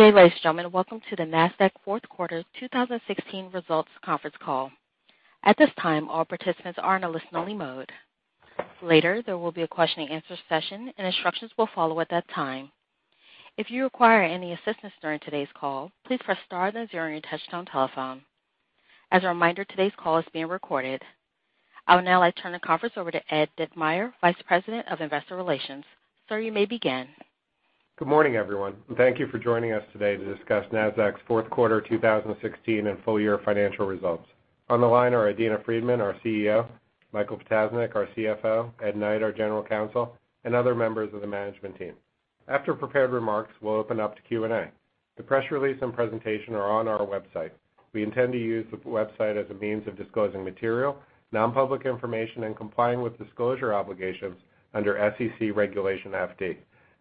Good day, ladies and gentlemen. Welcome to the Nasdaq Fourth Quarter 2016 Results Conference Call. At this time, all participants are in a listen-only mode. Later, there will be a question and answer session, and instructions will follow at that time. If you require any assistance during today's call, please press star then zero on your touch-tone telephone. As a reminder, today's call is being recorded. I would now like to turn the conference over to Ed Ditmire, Vice President of Investor Relations. Sir, you may begin. Good morning, everyone, and thank you for joining us today to discuss Nasdaq's fourth quarter 2016 and full year financial results. On the line are Adena Friedman, our CEO; Michael Ptasznik, our CFO; Ed Knight, our General Counsel, and other members of the management team. After prepared remarks, we'll open up to Q&A. The press release and presentation are on our website. We intend to use the website as a means of disclosing material, non-public information, and complying with disclosure obligations under SEC Regulation FD.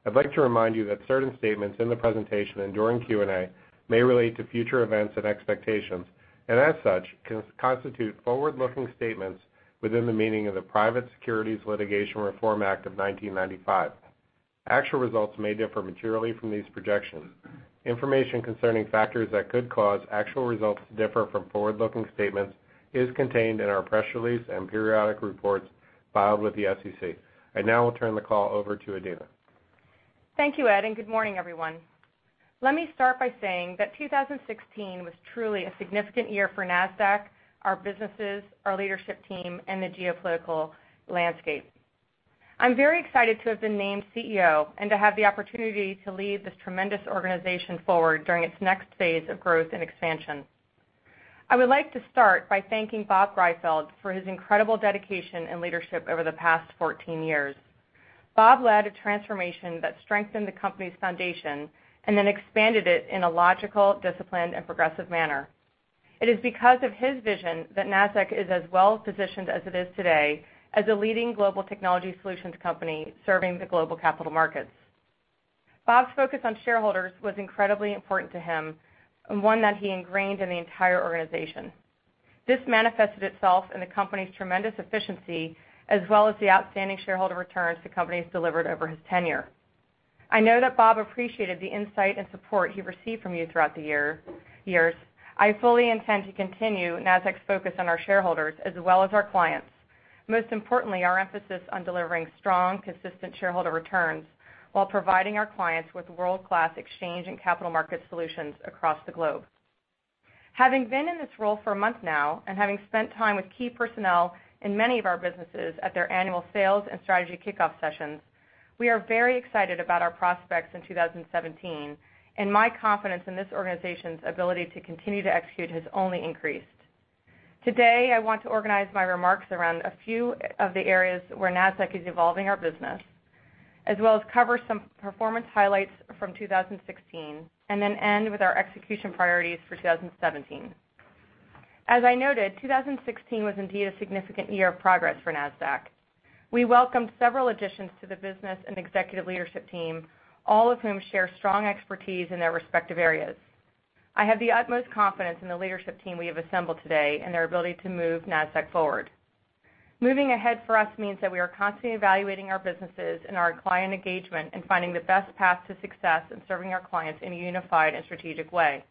I'd like to remind you that certain statements in the presentation and during Q&A may relate to future events and expectations, and as such, constitute forward-looking statements within the meaning of the Private Securities Litigation Reform Act of 1995. Actual results may differ materially from these projections. Information concerning factors that could cause actual results to differ from forward-looking statements is contained in our press release and periodic reports filed with the SEC. I now will turn the call over to Adena. Thank you, Ed, and good morning, everyone. Let me start by saying that 2016 was truly a significant year for Nasdaq, our businesses, our leadership team, and the geopolitical landscape. I'm very excited to have been named CEO and to have the opportunity to lead this tremendous organization forward during its next phase of growth and expansion. I would like to start by thanking Bob Greifeld for his incredible dedication and leadership over the past 14 years. Bob led a transformation that strengthened the company's foundation and then expanded it in a logical, disciplined, and progressive manner. It is because of his vision that Nasdaq is as well-positioned as it is today as a leading global technology solutions company serving the global capital markets. Bob's focus on shareholders was incredibly important to him, and one that he ingrained in the entire organization. This manifested itself in the company's tremendous efficiency, as well as the outstanding shareholder returns the company has delivered over his tenure. I know that Bob appreciated the insight and support he received from you throughout the years. I fully intend to continue Nasdaq's focus on our shareholders as well as our clients. Most importantly, our emphasis on delivering strong, consistent shareholder returns while providing our clients with world-class exchange and capital market solutions across the globe. Having been in this role for a month now, having spent time with key personnel in many of our businesses at their annual sales and strategy kickoff sessions, we are very excited about our prospects in 2017. My confidence in this organization's ability to continue to execute has only increased. Today, I want to organize my remarks around a few of the areas where Nasdaq is evolving our business, as well as cover some performance highlights from 2016. Then end with our execution priorities for 2017. As I noted, 2016 was indeed a significant year of progress for Nasdaq. We welcomed several additions to the business and executive leadership team, all of whom share strong expertise in their respective areas. I have the utmost confidence in the leadership team we have assembled today and their ability to move Nasdaq forward. Moving ahead for us means that we are constantly evaluating our businesses and our client engagement and finding the best path to success in serving our clients in a unified and strategic way.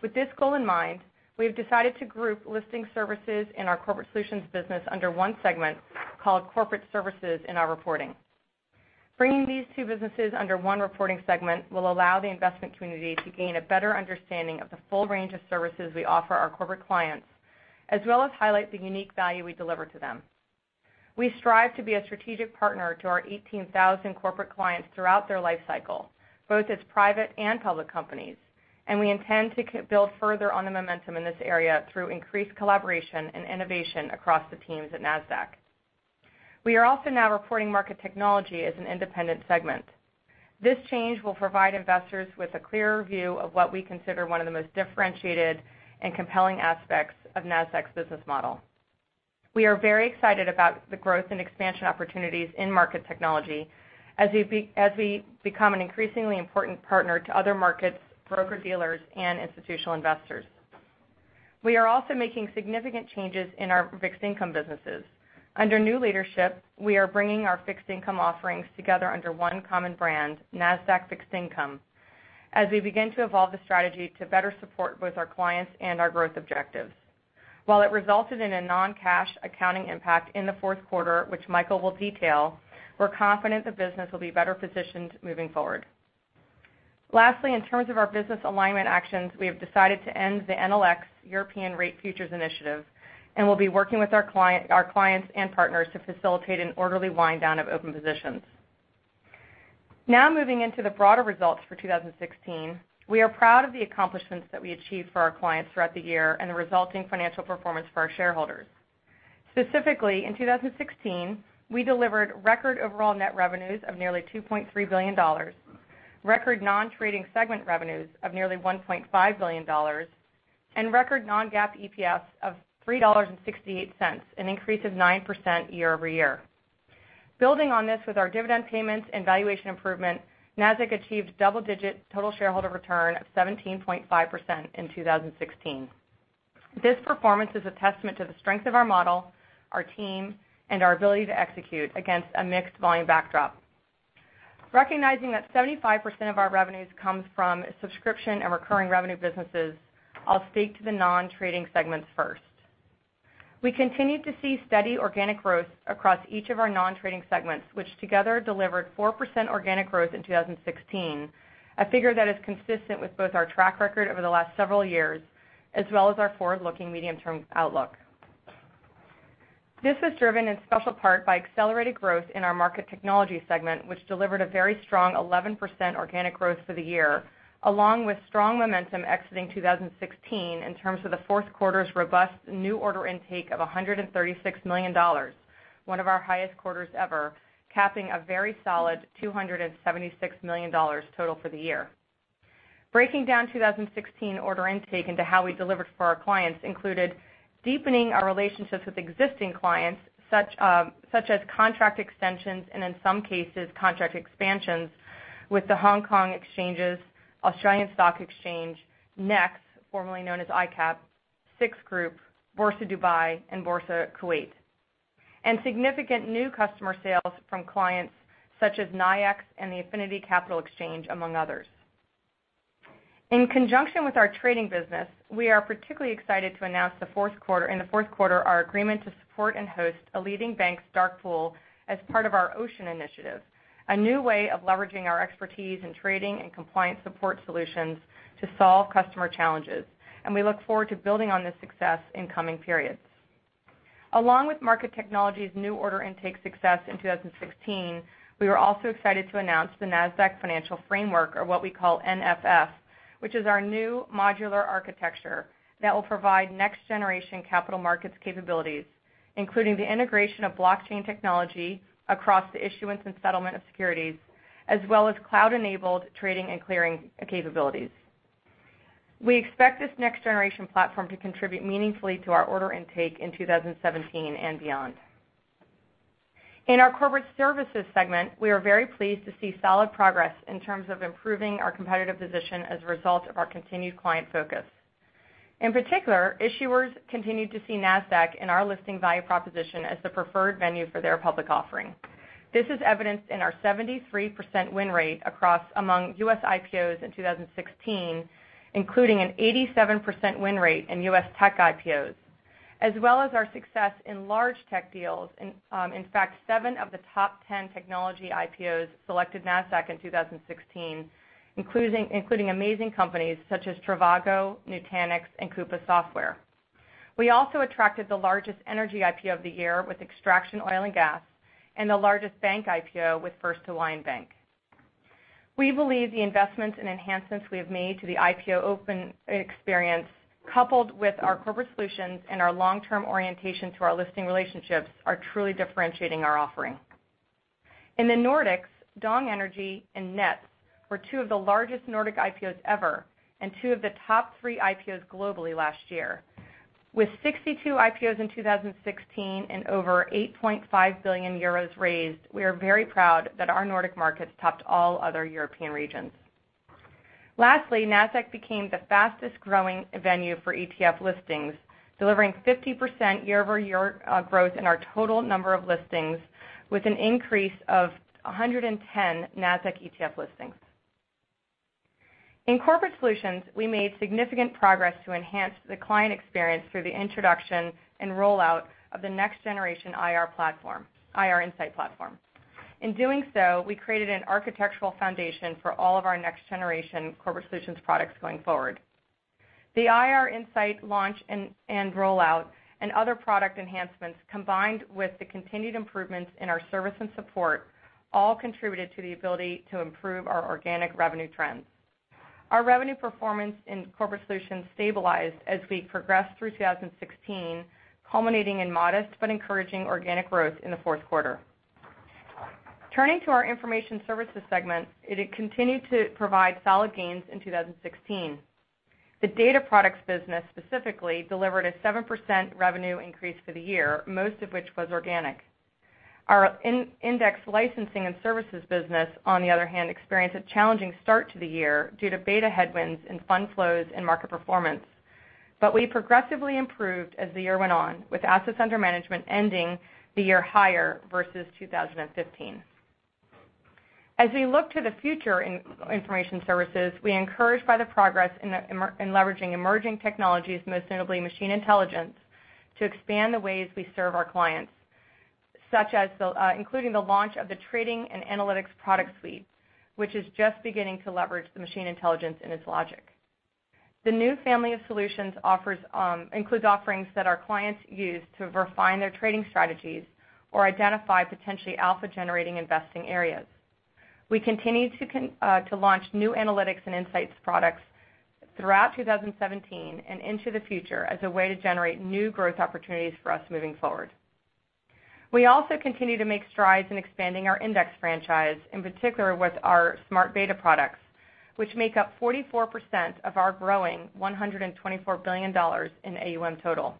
With this goal in mind, we have decided to group Listing Services and our Corporate Solutions business under one segment called Corporate Services in our reporting. Bringing these two businesses under one reporting segment will allow the investment community to gain a better understanding of the full range of services we offer our corporate clients, as well as highlight the unique value we deliver to them. We strive to be a strategic partner to our 18,000 corporate clients throughout their life cycle, both as private and public companies. We intend to build further on the momentum in this area through increased collaboration and innovation across the teams at Nasdaq. We are also now reporting Market Technology as an independent segment. This change will provide investors with a clearer view of what we consider one of the most differentiated and compelling aspects of Nasdaq's business model. We are very excited about the growth and expansion opportunities in Market Technology as we become an increasingly important partner to other markets, broker-dealers, and institutional investors. We are also making significant changes in our fixed income businesses. Under new leadership, we are bringing our fixed income offerings together under one common brand, Nasdaq Fixed Income, as we begin to evolve the strategy to better support both our clients and our growth objectives. While it resulted in a non-cash accounting impact in the fourth quarter, which Michael will detail, we're confident the business will be better positioned moving forward. Lastly, in terms of our business alignment actions, we have decided to end the NLX European rate futures initiative. We'll be working with our clients and partners to facilitate an orderly wind down of open positions. Moving into the broader results for 2016, we are proud of the accomplishments that we achieved for our clients throughout the year and the resulting financial performance for our shareholders. Specifically, in 2016, we delivered record overall net revenues of nearly $2.3 billion, record non-trading segment revenues of nearly $1.5 billion, and record non-GAAP EPS of $3.68, an increase of 9% year-over-year. Building on this with our dividend payments and valuation improvement, Nasdaq achieved double-digit total shareholder return of 17.5% in 2016. This performance is a testament to the strength of our model, our team, and our ability to execute against a mixed volume backdrop. Recognizing that 75% of our revenues comes from subscription and recurring revenue businesses, I'll speak to the non-trading segments first. We continued to see steady organic growth across each of our non-trading segments, which together delivered 4% organic growth in 2016, a figure that is consistent with both our track record over the last several years, as well as our forward-looking medium-term outlook. This was driven in special part by accelerated growth in our Market Technology segment, which delivered a very strong 11% organic growth for the year, along with strong momentum exiting 2016 in terms of the fourth quarter's robust new order intake of $136 million, one of our highest quarters ever, capping a very solid $276 million total for the year. Breaking down 2016 order intake into how we delivered for our clients included deepening our relationships with existing clients, such as contract extensions, and in some cases, contract expansions with the Hong Kong Exchanges, Australian Securities Exchange, NEX, formerly known as ICAP, SIX Group, Borse Dubai, and Boursa Kuwait. Significant new customer sales from clients such as NYIAX and the Affinity Capital Exchange, among others. In conjunction with our trading business, we are particularly excited to announce in the fourth quarter, our agreement to support and host a leading bank's dark pool as part of our Ocean initiative, a new way of leveraging our expertise in trading and compliance support solutions to solve customer challenges. We look forward to building on this success in coming periods. Along with Market Technology's new order intake success in 2016, we were also excited to announce the Nasdaq Financial Framework or what we call NFF, which is our new modular architecture that will provide next-generation capital markets capabilities, including the integration of blockchain technology across the issuance and settlement of securities, as well as cloud-enabled trading and clearing capabilities. We expect this next-generation platform to contribute meaningfully to our order intake in 2017 and beyond. In our Corporate Services segment, we are very pleased to see solid progress in terms of improving our competitive position as a result of our continued client focus. In particular, issuers continued to see Nasdaq and our listing value proposition as the preferred venue for their public offering. This is evidenced in our 73% win rate among U.S. IPOs in 2016, including an 87% win rate in U.S. tech IPOs, as well as our success in large tech deals. In fact, seven of the top 10 technology IPOs selected Nasdaq in 2016, including amazing companies such as trivago, Nutanix, and Coupa Software. We also attracted the largest energy IPO of the year with Extraction Oil & Gas and the largest bank IPO with First Alliance Bank. We believe the investments and enhancements we have made to the IPO open experience, coupled with our Corporate Solutions and our long-term orientation to our listing relationships, are truly differentiating our offering. In the Nordics, DONG Energy and Nets were two of the largest Nordic IPOs ever and two of the top three IPOs globally last year. With 62 IPOs in 2016 and over 8.5 billion euros raised, we are very proud that our Nordic markets topped all other European regions. Lastly, Nasdaq became the fastest-growing venue for ETF listings, delivering 50% year-over-year growth in our total number of listings, with an increase of 110 Nasdaq ETF listings. In Corporate Solutions, we made significant progress to enhance the client experience through the introduction and rollout of the next-generation IR Insight platform. In doing so, we created an architectural foundation for all of our next-generation Corporate Solutions products going forward. The IR Insight launch and rollout and other product enhancements, combined with the continued improvements in our service and support, all contributed to the ability to improve our organic revenue trends. Our revenue performance in Corporate Solutions stabilized as we progressed through 2016, culminating in modest but encouraging organic growth in the fourth quarter. Turning to our Information Services segment, it continued to provide solid gains in 2016. The data products business specifically delivered a 7% revenue increase for the year, most of which was organic. Our index licensing and services business, on the other hand, experienced a challenging start to the year due to beta headwinds in fund flows and market performance. We progressively improved as the year went on, with assets under management ending the year higher versus 2015. As we look to the future in Information Services, we are encouraged by the progress in leveraging emerging technologies, most notably machine intelligence, to expand the ways we serve our clients, including the launch of the Trading and Analytics product suite, which is just beginning to leverage the machine intelligence in its logic. The new family of solutions includes offerings that our clients use to refine their trading strategies or identify potentially alpha-generating investing areas. We continue to launch new analytics and insights products throughout 2017 and into the future as a way to generate new growth opportunities for us moving forward. We also continue to make strides in expanding our index franchise, in particular with our smart beta products, which make up 44% of our growing $124 billion in AUM total.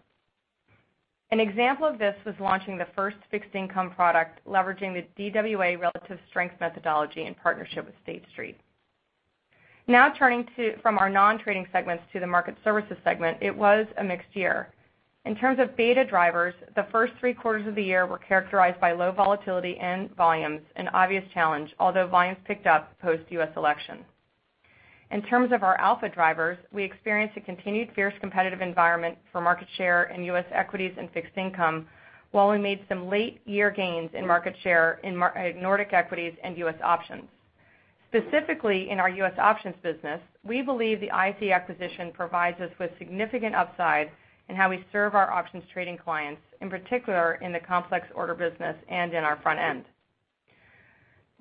An example of this was launching the first fixed income product, leveraging the DWA relative strength methodology in partnership with State Street. Turning from our non-trading segments to the Market Services segment, it was a mixed year. In terms of beta drivers, the first three quarters of the year were characterized by low volatility and volumes, an obvious challenge, although volumes picked up post-U.S. election. In terms of our alpha drivers, we experienced a continued fierce competitive environment for market share in U.S. equities and fixed income, while we made some late year gains in market share in Nordic equities and U.S. options. Specifically, in our U.S. options business, we believe the ISE acquisition provides us with significant upside in how we serve our options trading clients, in particular, in the complex order business and in our front end.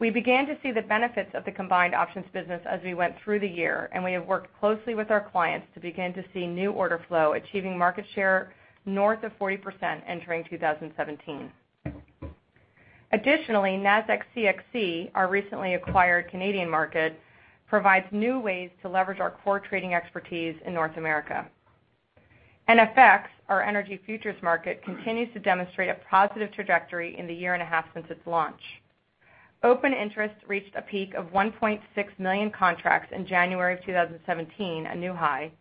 We began to see the benefits of the combined options business as we went through the year. We have worked closely with our clients to begin to see new order flow, achieving market share north of 40% entering 2017. Additionally, Nasdaq CXC, our recently acquired Canadian market, provides new ways to leverage our core trading expertise in North America. NFX, our energy futures market, continues to demonstrate a positive trajectory in the year and a half since its launch. Open interest reached a peak of 1.6 million contracts in January of 2017, a new high.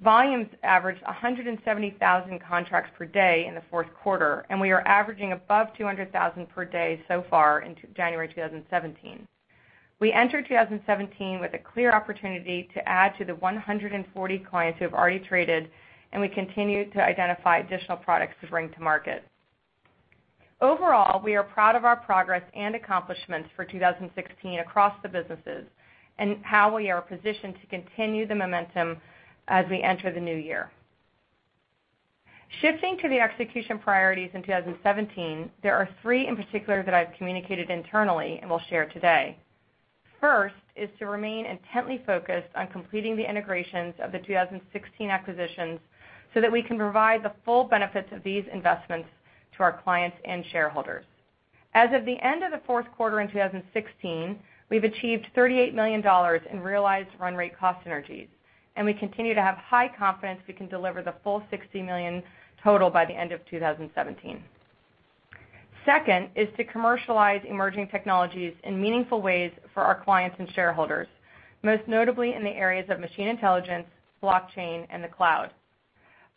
Volumes averaged 170,000 contracts per day in the fourth quarter. We are averaging above 200,000 per day so far into January 2017. We enter 2017 with a clear opportunity to add to the 140 clients who have already traded. We continue to identify additional products to bring to market. Overall, we are proud of our progress and accomplishments for 2016 across the businesses and how we are positioned to continue the momentum as we enter the new year. Shifting to the execution priorities in 2017, there are three in particular that I've communicated internally and will share today. First is to remain intently focused on completing the integrations of the 2016 acquisitions so that we can provide the full benefits of these investments to our clients and shareholders. As of the end of the fourth quarter in 2016, we've achieved $38 million in realized run rate cost synergies. We continue to have high confidence we can deliver the full $60 million total by the end of 2017. Second is to commercialize emerging technologies in meaningful ways for our clients and shareholders, most notably in the areas of machine intelligence, blockchain, and the cloud.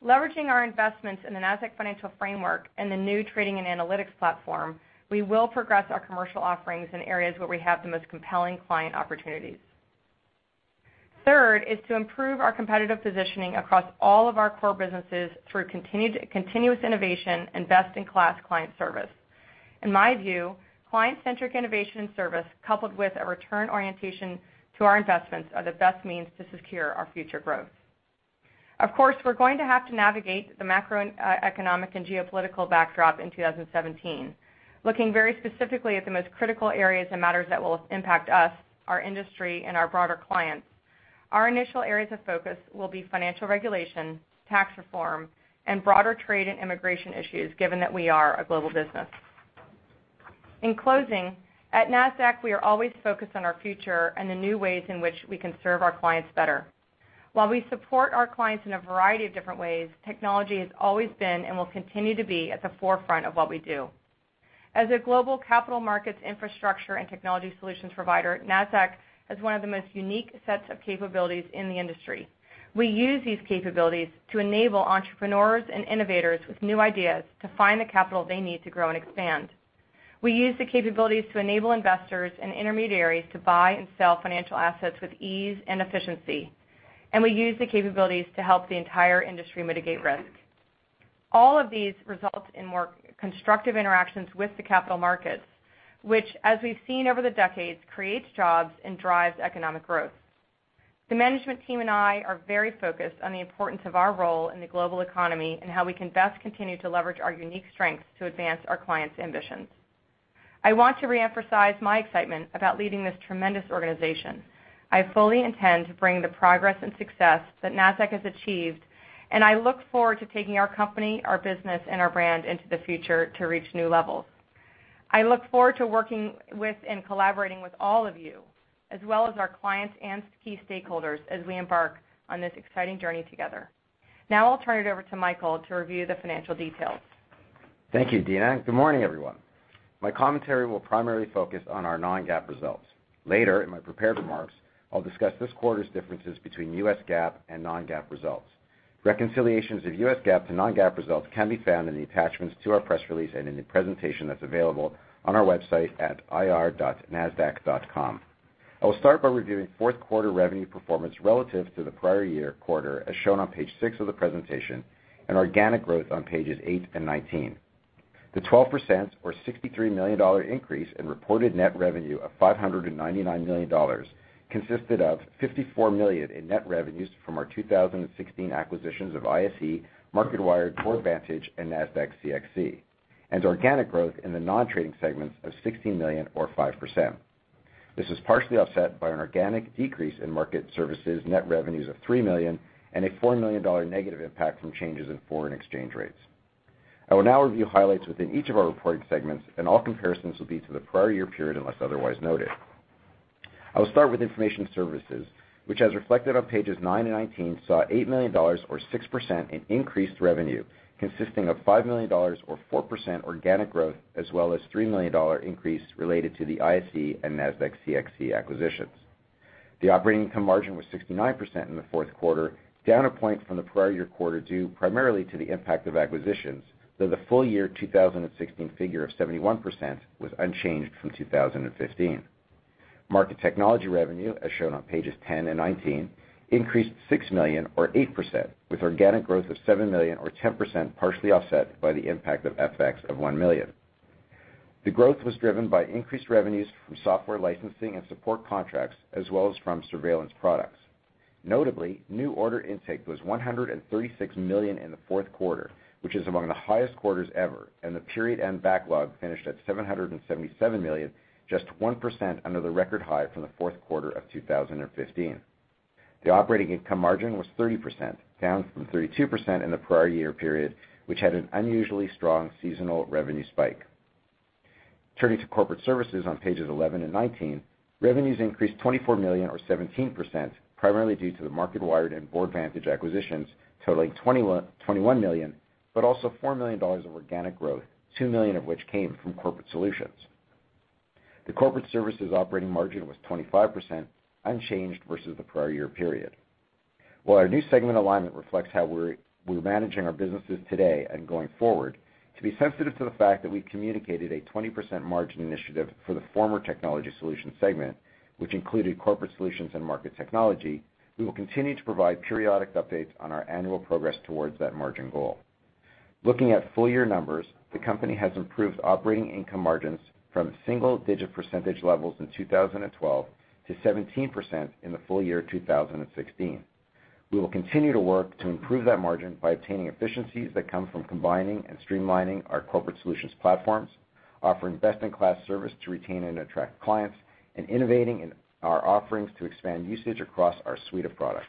Leveraging our investments in the Nasdaq Financial Framework and the new Trading and Analytics platform, we will progress our commercial offerings in areas where we have the most compelling client opportunities. Third is to improve our competitive positioning across all of our core businesses through continuous innovation and best-in-class client service. In my view, client-centric innovation and service, coupled with a return orientation to our investments, are the best means to secure our future growth. Of course, we're going to have to navigate the macroeconomic and geopolitical backdrop in 2017. Looking very specifically at the most critical areas and matters that will impact us, our industry, and our broader clients. Our initial areas of focus will be financial regulation, tax reform, and broader trade and immigration issues, given that we are a global business. In closing, at Nasdaq, we are always focused on our future and the new ways in which we can serve our clients better. While we support our clients in a variety of different ways, technology has always been and will continue to be at the forefront of what we do. As a global capital markets infrastructure and technology solutions provider, Nasdaq has one of the most unique sets of capabilities in the industry. We use these capabilities to enable entrepreneurs and innovators with new ideas to find the capital they need to grow and expand. We use the capabilities to enable investors and intermediaries to buy and sell financial assets with ease and efficiency. We use the capabilities to help the entire industry mitigate risk. All of these result in more constructive interactions with the capital markets, which, as we've seen over the decades, creates jobs and drives economic growth. The management team and I are very focused on the importance of our role in the global economy and how we can best continue to leverage our unique strengths to advance our clients' ambitions. I want to reemphasize my excitement about leading this tremendous organization. I fully intend to bring the progress and success that Nasdaq has achieved, and I look forward to taking our company, our business, and our brand into the future to reach new levels. I look forward to working with and collaborating with all of you, as well as our clients and key stakeholders as we embark on this exciting journey together. Now I'll turn it over to Michael to review the financial details. Thank you, Adena. Good morning, everyone. My commentary will primarily focus on our non-GAAP results. Later in my prepared remarks, I'll discuss this quarter's differences between US GAAP and non-GAAP results. Reconciliations of US GAAP to non-GAAP results can be found in the attachments to our press release and in the presentation that's available on our website at ir.nasdaq.com. I will start by reviewing fourth quarter revenue performance relative to the prior year quarter, as shown on page six of the presentation, and organic growth on pages eight and 19. The 12% or $63 million increase in reported net revenue of $599 million consisted of $54 million in net revenues from our 2016 acquisitions of ISE, Marketwired, Boardvantage and Nasdaq CXC, and organic growth in the non-trading segments of $16 million or 5%. This is partially offset by an organic decrease in Market Services net revenues of $3 million and a $4 million negative impact from changes in foreign exchange rates. I will now review highlights within each of our reported segments, and all comparisons will be to the prior year period, unless otherwise noted. I will start with Information Services, which as reflected on pages nine and 19, saw $8 million or 6% in increased revenue, consisting of $5 million or 4% organic growth, as well as a $3 million increase related to the ISE and Nasdaq CXC acquisitions. The operating income margin was 69% in the fourth quarter, down a point from the prior year quarter due primarily to the impact of acquisitions, though the full year 2016 figure of 71% was unchanged from 2015. Market Technology revenue, as shown on pages 10 and 19, increased to $6 million or 8%, with organic growth of $7 million or 10%, partially offset by the impact of FX of $1 million. The growth was driven by increased revenues from software licensing and support contracts, as well as from surveillance products. Notably, new order intake was $136 million in the fourth quarter, which is among the highest quarters ever, and the period end backlog finished at $777 million, just 1% under the record high from the fourth quarter of 2015. The operating income margin was 30%, down from 32% in the prior year period, which had an unusually strong seasonal revenue spike. Turning to Corporate Services on pages 11 and 19, revenues increased $24 million or 17%, primarily due to the Marketwired and Boardvantage acquisitions totaling $21 million, but also $4 million of organic growth, $2 million of which came from Corporate Solutions. The Corporate Services operating margin was 25%, unchanged versus the prior year period. While our new segment alignment reflects how we're managing our businesses today and going forward, to be sensitive to the fact that we communicated a 20% margin initiative for the former Technology Solutions segment, which included Corporate Solutions and Market Technology, we will continue to provide periodic updates on our annual progress towards that margin goal. Looking at full year numbers, the company has improved operating income margins from single-digit percentage levels in 2012 to 17% in the full year 2016. We will continue to work to improve that margin by obtaining efficiencies that come from combining and streamlining our Corporate Solutions platforms, offering best-in-class service to retain and attract clients, and innovating in our offerings to expand usage across our suite of products.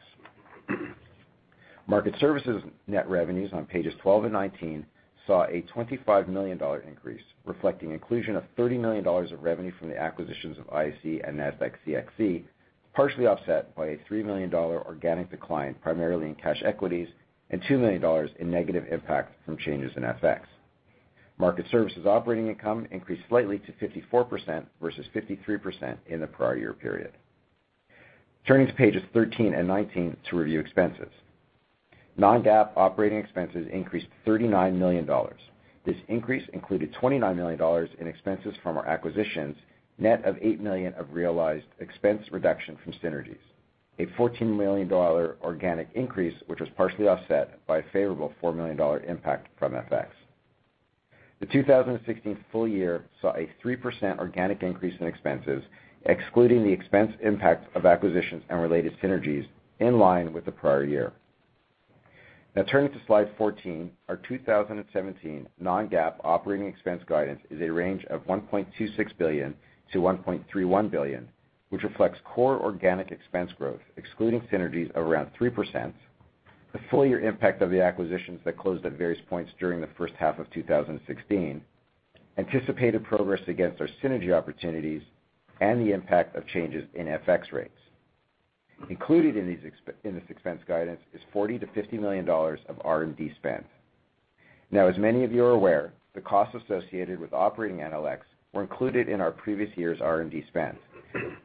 Market Services net revenues on pages 12 and 19 saw a $25 million increase, reflecting inclusion of $30 million of revenue from the acquisitions of ISE and Nasdaq CXC, partially offset by a $3 million organic decline primarily in cash equities and $2 million in negative impact from changes in FX. Market Services operating income increased slightly to 54% versus 53% in the prior year period. Turning to pages 13 and 19 to review expenses. Non-GAAP operating expenses increased $39 million. This increase included $29 million in expenses from our acquisitions, net of $8 million of realized expense reduction from synergies. A $14 million organic increase, which was partially offset by a favorable $4 million impact from FX. The 2016 full year saw a 3% organic increase in expenses, excluding the expense impact of acquisitions and related synergies, in line with the prior year. Turning to slide 14, our 2017 non-GAAP operating expense guidance is a range of $1.26 billion-$1.31 billion, which reflects core organic expense growth, excluding synergies of around 3%, the full year impact of the acquisitions that closed at various points during the first half of 2016, anticipated progress against our synergy opportunities, and the impact of changes in FX rates. Included in this expense guidance is $40 million-$50 million of R&D spend. As many of you are aware, the costs associated with operating NLX were included in our previous year's R&D spend.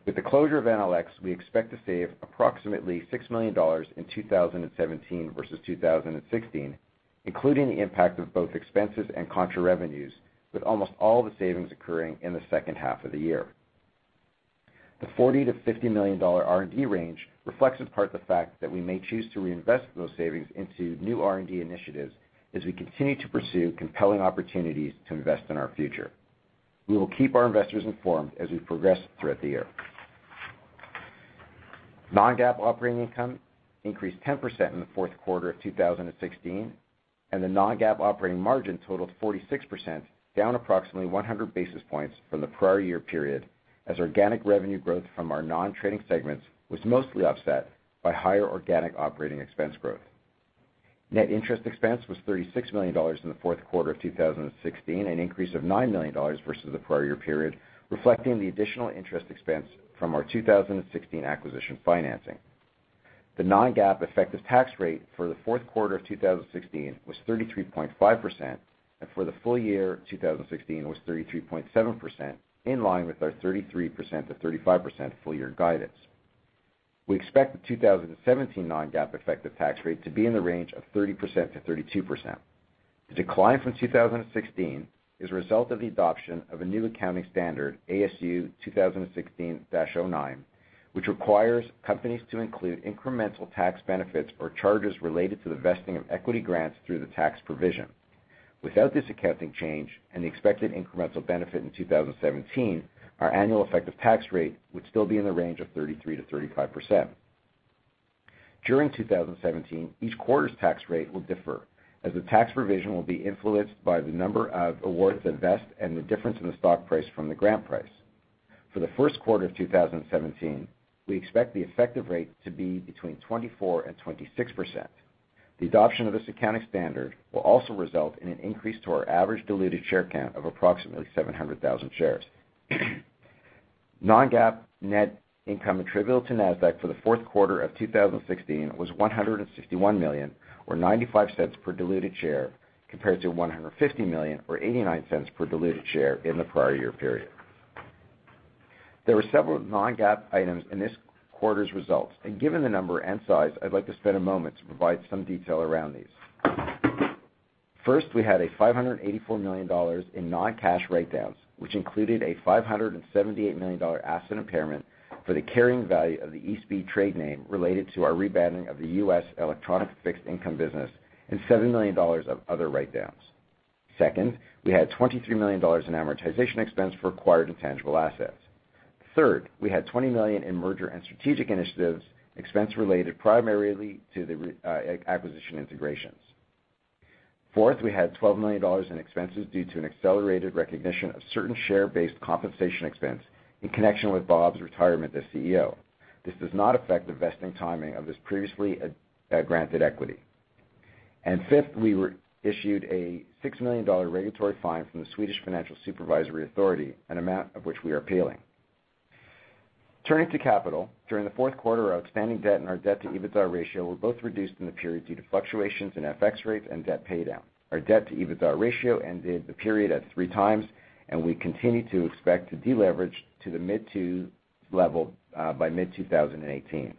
With the closure of NLX, we expect to save approximately $6 million in 2017 versus 2016, including the impact of both expenses and contra revenues, with almost all the savings occurring in the second half of the year. The $40 million-$50 million R&D range reflects in part the fact that we may choose to reinvest those savings into new R&D initiatives as we continue to pursue compelling opportunities to invest in our future. We will keep our investors informed as we progress throughout the year. Non-GAAP operating income increased 10% in the fourth quarter of 2016, and the non-GAAP operating margin totaled 46%, down approximately 100 basis points from the prior year period as organic revenue growth from our non-trading segments was mostly offset by higher organic operating expense growth. Net interest expense was $36 million in the fourth quarter of 2016, an increase of $9 million versus the prior year period, reflecting the additional interest expense from our 2016 acquisition financing. The non-GAAP effective tax rate for the fourth quarter of 2016 was 33.5%, and for the full year 2016 was 33.7%, in line with our 33%-35% full year guidance. We expect the 2017 non-GAAP effective tax rate to be in the range of 30%-32%. The decline from 2016 is a result of the adoption of a new accounting standard, ASU 2016-09, which requires companies to include incremental tax benefits or charges related to the vesting of equity grants through the tax provision. Without this accounting change and the expected incremental benefit in 2017, our annual effective tax rate would still be in the range of 33%-35%. During 2017, each quarter's tax rate will differ, as the tax provision will be influenced by the number of awards that vest and the difference in the stock price from the grant price. For the first quarter of 2017, we expect the effective rate to be between 24% and 26%. The adoption of this accounting standard will also result in an increase to our average diluted share count of approximately 700,000 shares. Non-GAAP net income attributable to Nasdaq for the fourth quarter of 2016 was $161 million, or $0.95 per diluted share, compared to $150 million or $0.89 per diluted share in the prior year period. There were several non-GAAP items in this quarter's results, given the number and size, I'd like to spend a moment to provide some detail around these. First, we had a $584 million in non-cash write-downs, which included a $578 million asset impairment for the carrying value of the eSpeed trade name related to our rebranding of the U.S. electronic fixed income business and $7 million of other write-downs. Second, we had $23 million in amortization expense for acquired intangible assets. Third, we had $20 million in merger and strategic initiatives expense related primarily to the acquisition integrations. Fourth, we had $12 million in expenses due to an accelerated recognition of certain share-based compensation expense in connection with Bob's retirement as CEO. This does not affect the vesting timing of his previously granted equity. Fifth, we were issued a $6 million regulatory fine from the Swedish Financial Supervisory Authority, an amount of which we are appealing. Turning to capital. During the fourth quarter, our expanding debt and our debt-to-EBITDA ratio were both reduced in the period due to fluctuations in FX rates and debt paydown. Our debt-to-EBITDA ratio ended the period at three times, we continue to expect to deleverage to the mid-two level by mid-2018.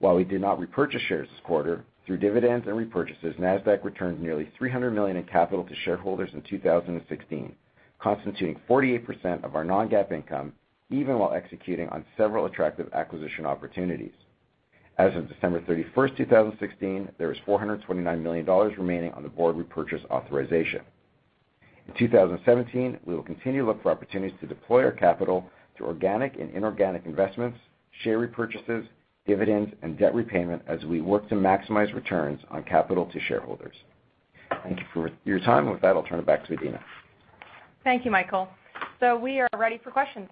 While we did not repurchase shares this quarter, through dividends and repurchases, Nasdaq returned nearly $300 million in capital to shareholders in 2016, constituting 48% of our non-GAAP income, even while executing on several attractive acquisition opportunities. As of December 31st, 2016, there was $429 million remaining on the board repurchase authorization. In 2017, we will continue to look for opportunities to deploy our capital through organic and inorganic investments, share repurchases, dividends, and debt repayment as we work to maximize returns on capital to shareholders. Thank you for your time. With that, I'll turn it back to Adena. Thank you, Michael. We are ready for questions.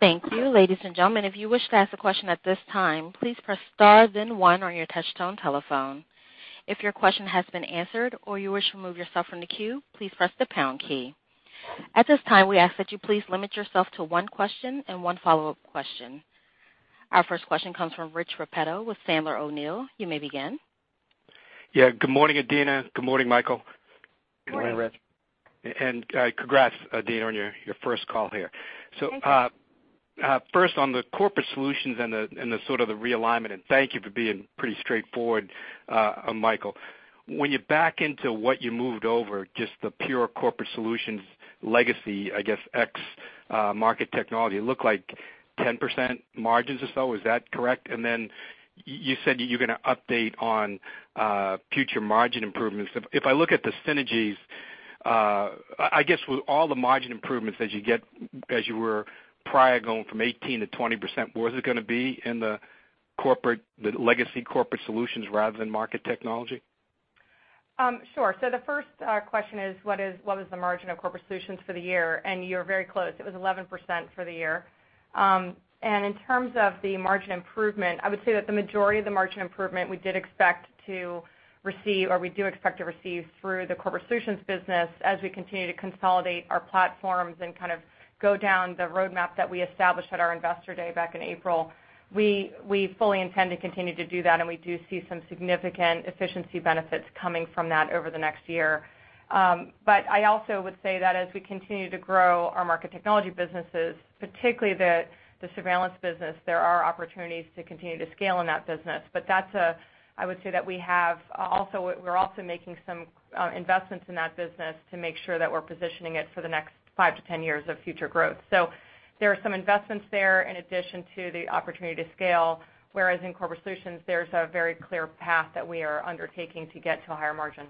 Thank you. Ladies and gentlemen, if you wish to ask a question at this time, please press star then one on your touchtone telephone. If your question has been answered or you wish to remove yourself from the queue, please press the pound key. At this time, we ask that you please limit yourself to one question and one follow-up question. Our first question comes from Rich Repetto with Sandler O'Neill. You may begin. Yeah. Good morning, Adena. Good morning, Michael. Good morning. Good morning, Rich. Congrats, Adena, on your first call here. Thank you. First on the Corporate Solutions and the sort of the realignment, thank you for being pretty straightforward, Michael. When you back into what you moved over, just the pure Corporate Solutions legacy, I guess ex Market Technology, it looked like 10% margins or so. Is that correct? Then you said you're going to update on future margin improvements. If I look at the synergies, I guess with all the margin improvements as you were prior going from 18%-20%, was it going to be in the legacy Corporate Solutions rather than Market Technology? Sure. The first question is what is the margin of Corporate Solutions for the year? You're very close. It was 11% for the year. In terms of the margin improvement, I would say that the majority of the margin improvement we did expect to receive, or we do expect to receive through the Corporate Solutions business as we continue to consolidate our platforms and kind of go down the roadmap that we established at our investor day back in April. We fully intend to continue to do that, and we do see some significant efficiency benefits coming from that over the next year. I also would say that as we continue to grow our Market Technology businesses, particularly the surveillance business, there are opportunities to continue to scale in that business. I would say that we're also making some investments in that business to make sure that we're positioning it for the next 5 to 10 years of future growth. There are some investments there in addition to the opportunity to scale, whereas in Corporate Solutions, there's a very clear path that we are undertaking to get to a higher margin.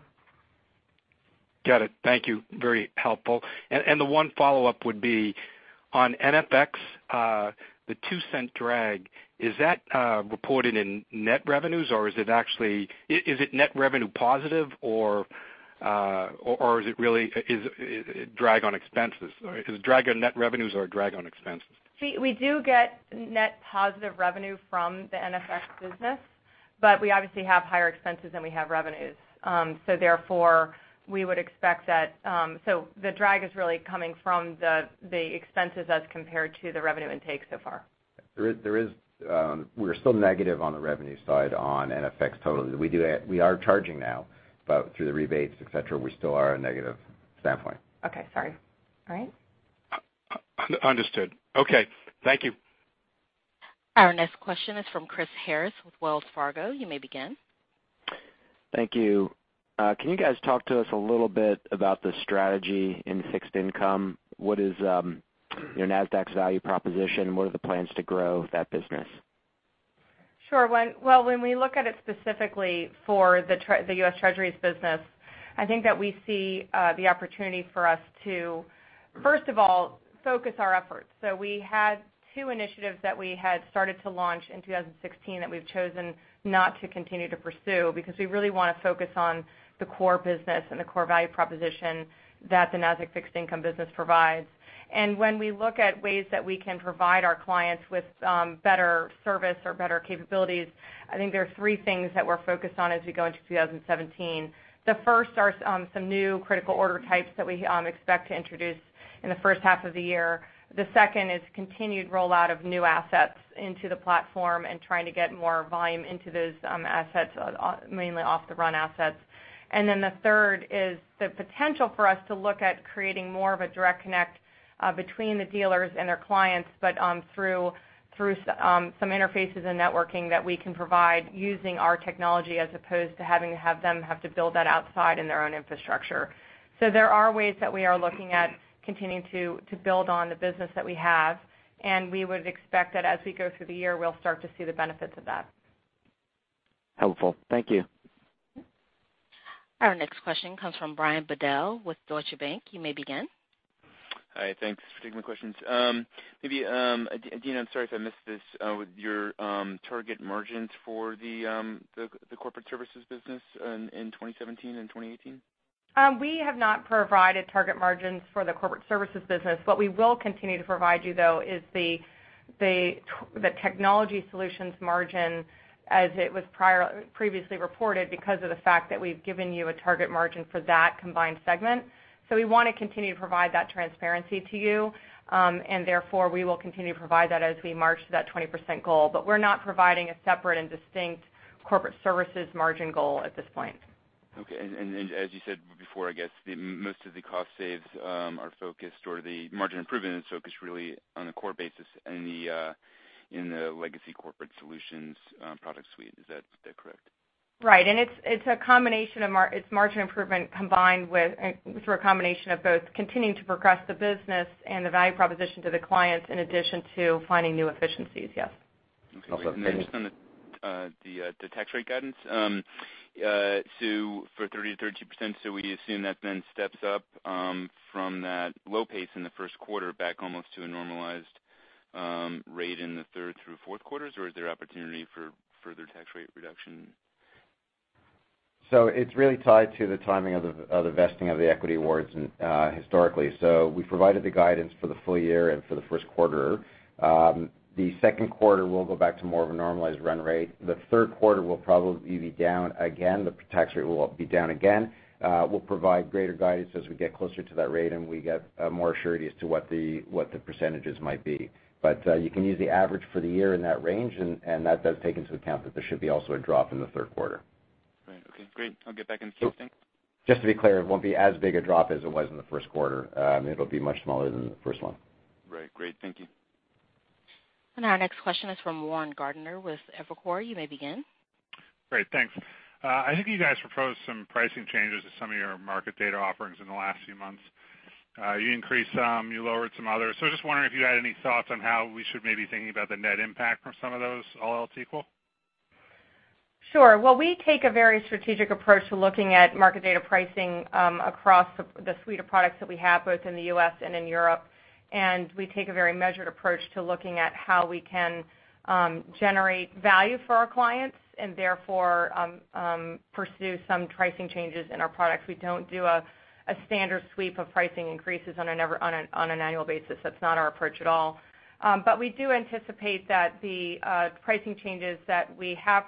Got it. Thank you. Very helpful. The one follow-up would be on NFX, the $0.02 drag. Is that reported in net revenues or is it net revenue positive, or is it really a drag on expenses? Is it a drag on net revenues or a drag on expenses? We do get net positive revenue from the NFX business, but we obviously have higher expenses than we have revenues. Therefore, the drag is really coming from the expenses as compared to the revenue intake so far. We're still negative on the revenue side on NFX total. We are charging now, but through the rebates, et cetera, we still are a negative standpoint. Okay. Sorry. All right. Understood. Okay. Thank you. Our next question is from Chris Harris with Wells Fargo. You may begin. Thank you. Can you guys talk to us a little bit about the strategy in fixed income? What is Nasdaq's value proposition? What are the plans to grow that business? Sure. Well, when we look at it specifically for the US Treasuries business, I think that we see the opportunity for us to, first of all, focus our efforts. We had two initiatives that we had started to launch in 2016 that we've chosen not to continue to pursue because we really want to focus on the core business and the core value proposition that the Nasdaq Fixed Income business provides. When we look at ways that we can provide our clients with better service or better capabilities, I think there are three things that we're focused on as we go into 2017. The first are some new critical order types that we expect to introduce in the first half of the year. The second is continued rollout of new assets into the platform and trying to get more volume into those assets, mainly off-the-run assets. The third is the potential for us to look at creating more of a direct connect between the dealers and their clients, through some interfaces and networking that we can provide using our technology as opposed to having to have them have to build that outside in their own infrastructure. There are ways that we are looking at continuing to build on the business that we have, and we would expect that as we go through the year, we'll start to see the benefits of that. Helpful. Thank you. Our next question comes from Brian Bedell with Deutsche Bank. You may begin. Hi. Thanks for taking my questions. Maybe, Adena, I'm sorry if I missed this, with your target margins for the Corporate Services business in 2017 and 2018? We have not provided target margins for the Corporate Services business. What we will continue to provide you, though, is the Technology Solutions margin as it was previously reported because of the fact that we've given you a target margin for that combined segment. We want to continue to provide that transparency to you. Therefore, we will continue to provide that as we march to that 20% goal. We're not providing a separate and distinct Corporate Services margin goal at this point. Okay. As you said before, I guess most of the cost saves are focused, or the margin improvement is focused really on a core basis in the legacy Corporate Solutions product suite. Is that correct? Right. It's margin improvement combined with sort of a combination of both continuing to progress the business and the value proposition to the clients in addition to finding new efficiencies, yes. Okay. Just on the tax rate guidance, So, for 30%-32%, we assume that then steps up from that low pace in the first quarter back almost to a normalized rate in the third through fourth quarters? Is there opportunity for further tax rate reduction? It's really tied to the timing of the vesting of the equity awards historically. We provided the guidance for the full year and for the first quarter. The second quarter will go back to more of a normalized run rate. The third quarter will probably be down again. The tax rate will be down again. We'll provide greater guidance as we get closer to that rate and we get more surety as to what the percentages might be. You can use the average for the year in that range, and that does take into account that there should be also a drop in the third quarter. Right. Okay, great. I'll get back in queue. Thanks. Just to be clear, it won't be as big a drop as it was in the first quarter. It'll be much smaller than the first one. Right. Great. Thank you. Our next question is from Warren Gardiner with Evercore. You may begin. Great. Thanks. I think you guys proposed some pricing changes to some of your market data offerings in the last few months. You increased some, you lowered some others. I was just wondering if you had any thoughts on how we should maybe be thinking about the net impact from some of those, all else equal? Sure. We take a very strategic approach to looking at market data pricing across the suite of products that we have, both in the U.S. and in Europe, and we take a very measured approach to looking at how we can generate value for our clients and therefore pursue some pricing changes in our products. We don't do a standard sweep of pricing increases on an annual basis. That's not our approach at all. We do anticipate that the pricing changes that we have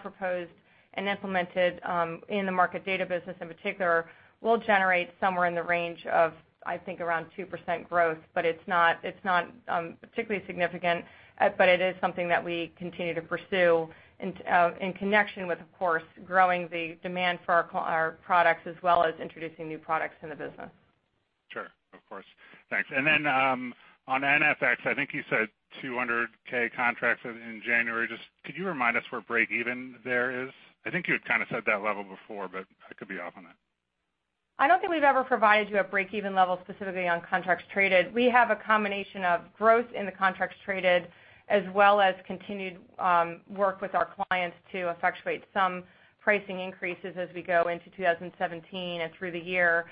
proposed and implemented in the market data business in particular will generate somewhere in the range of, I think, around 2% growth. It's not particularly significant, but it is something that we continue to pursue in connection with, of course, growing the demand for our products as well as introducing new products in the business. Sure. Of course. Thanks. On NFX, I think you said 200,000 contracts in January. Just could you remind us where break-even there is? I think you had kind of said that level before, but I could be off on that. I don't think we've ever provided you a break-even level specifically on contracts traded. We have a combination of growth in the contracts traded as well as continued work with our clients to effectuate some pricing increases as we go into 2017 and through the year.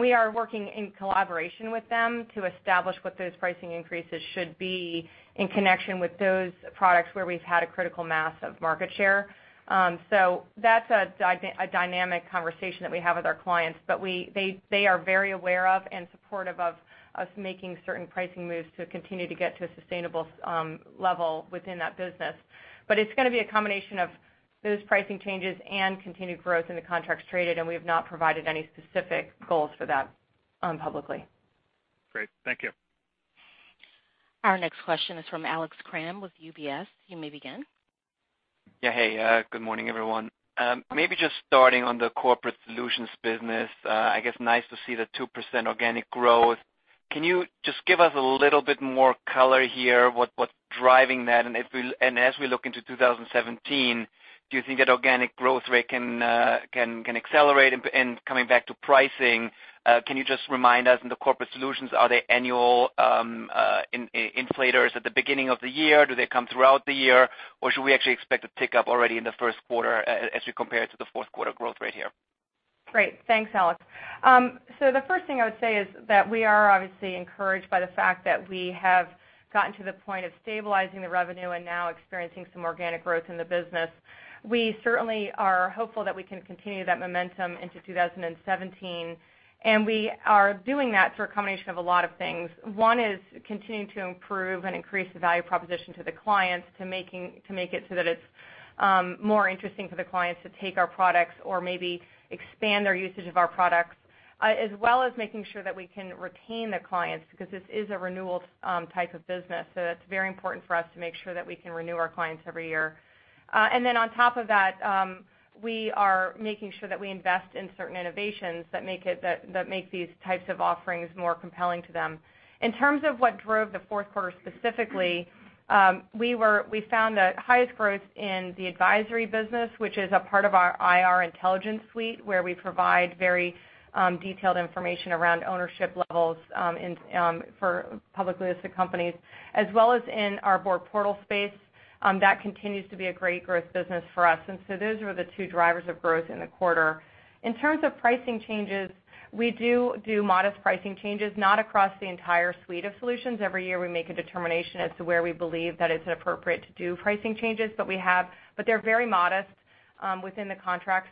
We are working in collaboration with them to establish what those pricing increases should be in connection with those products where we've had a critical mass of market share. That's a dynamic conversation that we have with our clients, but they are very aware of and supportive of us making certain pricing moves to continue to get to a sustainable level within that business. It's going to be a combination of those pricing changes and continued growth in the contracts traded, and we have not provided any specific goals for that publicly. Great. Thank you. Our next question is from Alex Kramm with UBS. You may begin. Yeah. Hey. Good morning, everyone. Maybe just starting on the Corporate Solutions business. I guess nice to see the 2% organic growth. Can you just give us a little bit more color here what's driving that? As we look into 2017 Do you think that organic growth rate can accelerate? Coming back to pricing, can you just remind us in the Corporate Solutions, are there annual inflators at the beginning of the year? Do they come throughout the year, or should we actually expect a pickup already in the first quarter as you compare it to the fourth quarter growth rate here? Great. Thanks, Alex. The first thing I would say is that we are obviously encouraged by the fact that we have gotten to the point of stabilizing the revenue and now experiencing some organic growth in the business. We certainly are hopeful that we can continue that momentum into 2017, and we are doing that through a combination of a lot of things. One is continuing to improve and increase the value proposition to the clients to make it so that it's more interesting for the clients to take our products or maybe expand their usage of our products, as well as making sure that we can retain the clients because this is a renewal type of business. That's very important for us to make sure that we can renew our clients every year. We are making sure that we invest in certain innovations that make these types of offerings more compelling to them. In terms of what drove the fourth quarter specifically, we found the highest growth in the advisory business, which is a part of our IR intelligence suite, where we provide very detailed information around ownership levels for publicly listed companies, as well as in our board portal space. That continues to be a great growth business for us. Those were the two drivers of growth in the quarter. In terms of pricing changes, we do modest pricing changes, not across the entire suite of solutions. Every year, we make a determination as to where we believe that it's appropriate to do pricing changes. They're very modest within the contracts.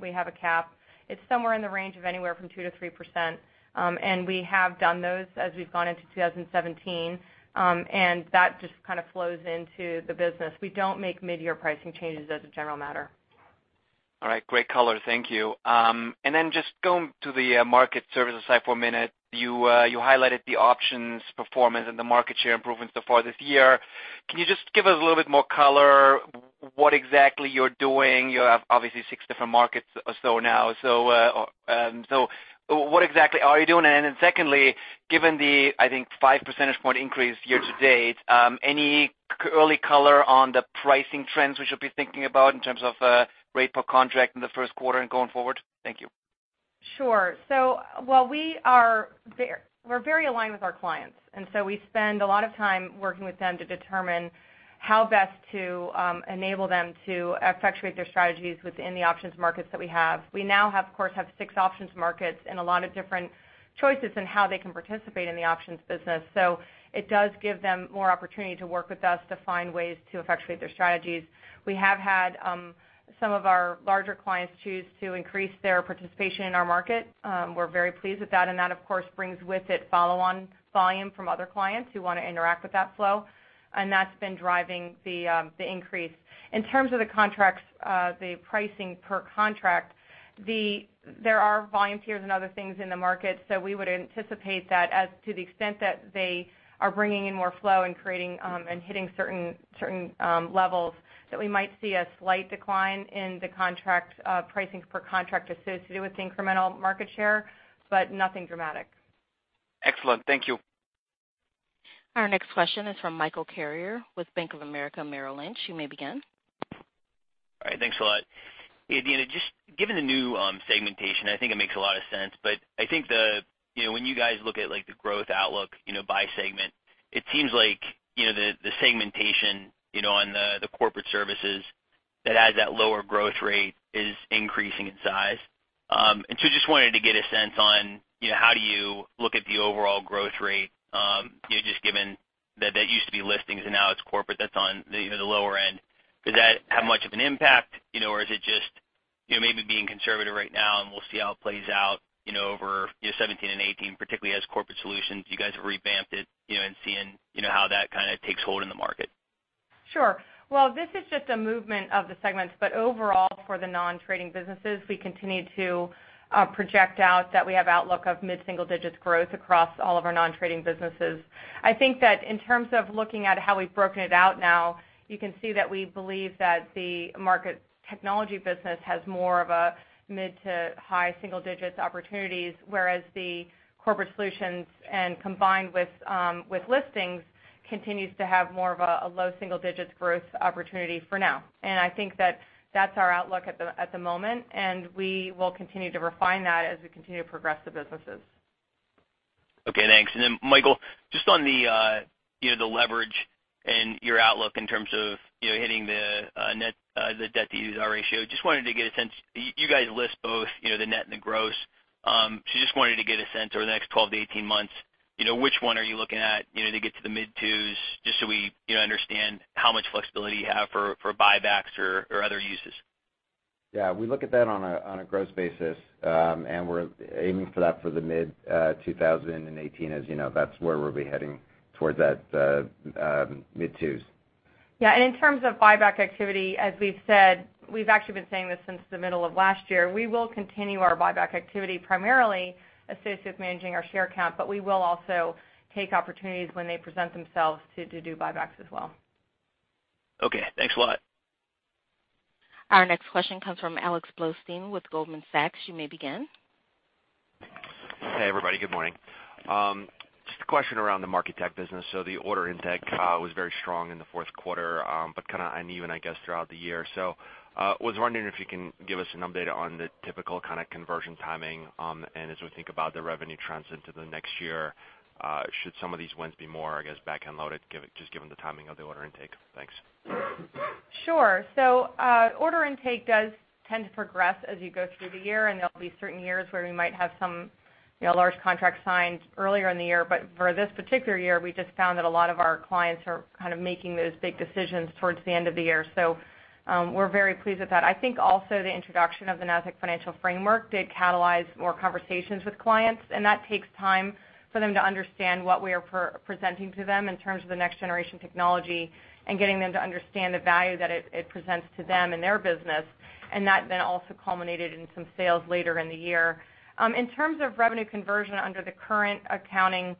We have a cap. It's somewhere in the range of anywhere from 2%-3%, and we have done those as we've gone into 2017. That just kind of flows into the business. We don't make mid-year pricing changes as a general matter. All right. Great color. Thank you. Just going to the Market Services side for a minute, you highlighted the options performance and the market share improvements so far this year. Can you just give us a little bit more color? What exactly you're doing? You have obviously six different markets or so now. What exactly are you doing? Secondly, given the, I think, five percentage point increase year to date, any early color on the pricing trends we should be thinking about in terms of rate per contract in the first quarter and going forward? Thank you. Sure. We're very aligned with our clients, and so we spend a lot of time working with them to determine how best to enable them to effectuate their strategies within the options markets that we have. We now, of course, have six options markets and a lot of different choices in how they can participate in the options business. It does give them more opportunity to work with us to find ways to effectuate their strategies. We have had some of our larger clients choose to increase their participation in our market. We're very pleased with that, and that, of course, brings with it follow-on volume from other clients who want to interact with that flow, and that's been driving the increase. In terms of the pricing per contract, there are volume tiers and other things in the market, so we would anticipate that as to the extent that they are bringing in more flow and hitting certain levels, that we might see a slight decline in the pricing per contract associated with incremental market share, but nothing dramatic. Excellent. Thank you. Our next question is from Michael Carrier with Bank of America Merrill Lynch. You may begin. All right. Thanks a lot. Hey, Adena, just given the new segmentation, I think it makes a lot of sense. I think when you guys look at the growth outlook by segment, it seems like the segmentation on the Corporate Services that has that lower growth rate is increasing in size. Just wanted to get a sense on how do you look at the overall growth rate, just given that that used to be listings and now it's corporate that's on the lower end. Does that have much of an impact, or is it just maybe being conservative right now, and we'll see how it plays out over 2017 and 2018, particularly as Corporate Solutions, you guys have revamped it, and seeing how that kind of takes hold in the market? Sure. Well, this is just a movement of the segments, but overall, for the non-trading businesses, we continue to project out that we have outlook of mid-single-digit growth across all of our non-trading businesses. I think that in terms of looking at how we've broken it out now, you can see that we believe that the Market Technology business has more of a mid-to-high single-digit opportunities, whereas the Corporate Solutions and combined with listings continues to have more of a low single-digit growth opportunity for now. I think that that's our outlook at the moment, and we will continue to refine that as we continue to progress the businesses. Okay, thanks. Michael, just on the leverage and your outlook in terms of hitting the net, the debt-to-EBITDA ratio, just wanted to get a sense. You guys list both the net and the gross. Just wanted to get a sense over the next 12 to 18 months, which one are you looking at to get to the mid-2s, just so we understand how much flexibility you have for buybacks or other uses. Yeah. We look at that on a gross basis. We're aiming for that for the mid-2018. As you know, that's where we'll be heading towards that mid-2s. Yeah. In terms of buyback activity, as we've said, we've actually been saying this since the middle of last year. We will continue our buyback activity primarily associated with managing our share count. We will also take opportunities when they present themselves to do buybacks as well. Okay. Thanks a lot. Our next question comes from Alex Blostein with Goldman Sachs. You may begin. Hey, everybody. Good morning. Just a question around the Market Technology business. The order intake was very strong in the fourth quarter, but kind of uneven, I guess, throughout the year. Was wondering if you can give us an update on the typical kind of conversion timing, and as we think about the revenue trends into the next year, should some of these wins be more, I guess, back-end loaded, just given the timing of the order intake? Thanks. Sure. Order intake does tend to progress as you go through the year, and there'll be certain years where we might have some large contracts signed earlier in the year. For this particular year, we just found that a lot of our clients are kind of making those big decisions towards the end of the year. We're very pleased with that. I think also the introduction of the Nasdaq Financial Framework did catalyze more conversations with clients, and that takes time for them to understand what we are presenting to them in terms of the next-generation technology and getting them to understand the value that it presents to them and their business. That then also culminated in some sales later in the year. In terms of revenue conversion under the current accounting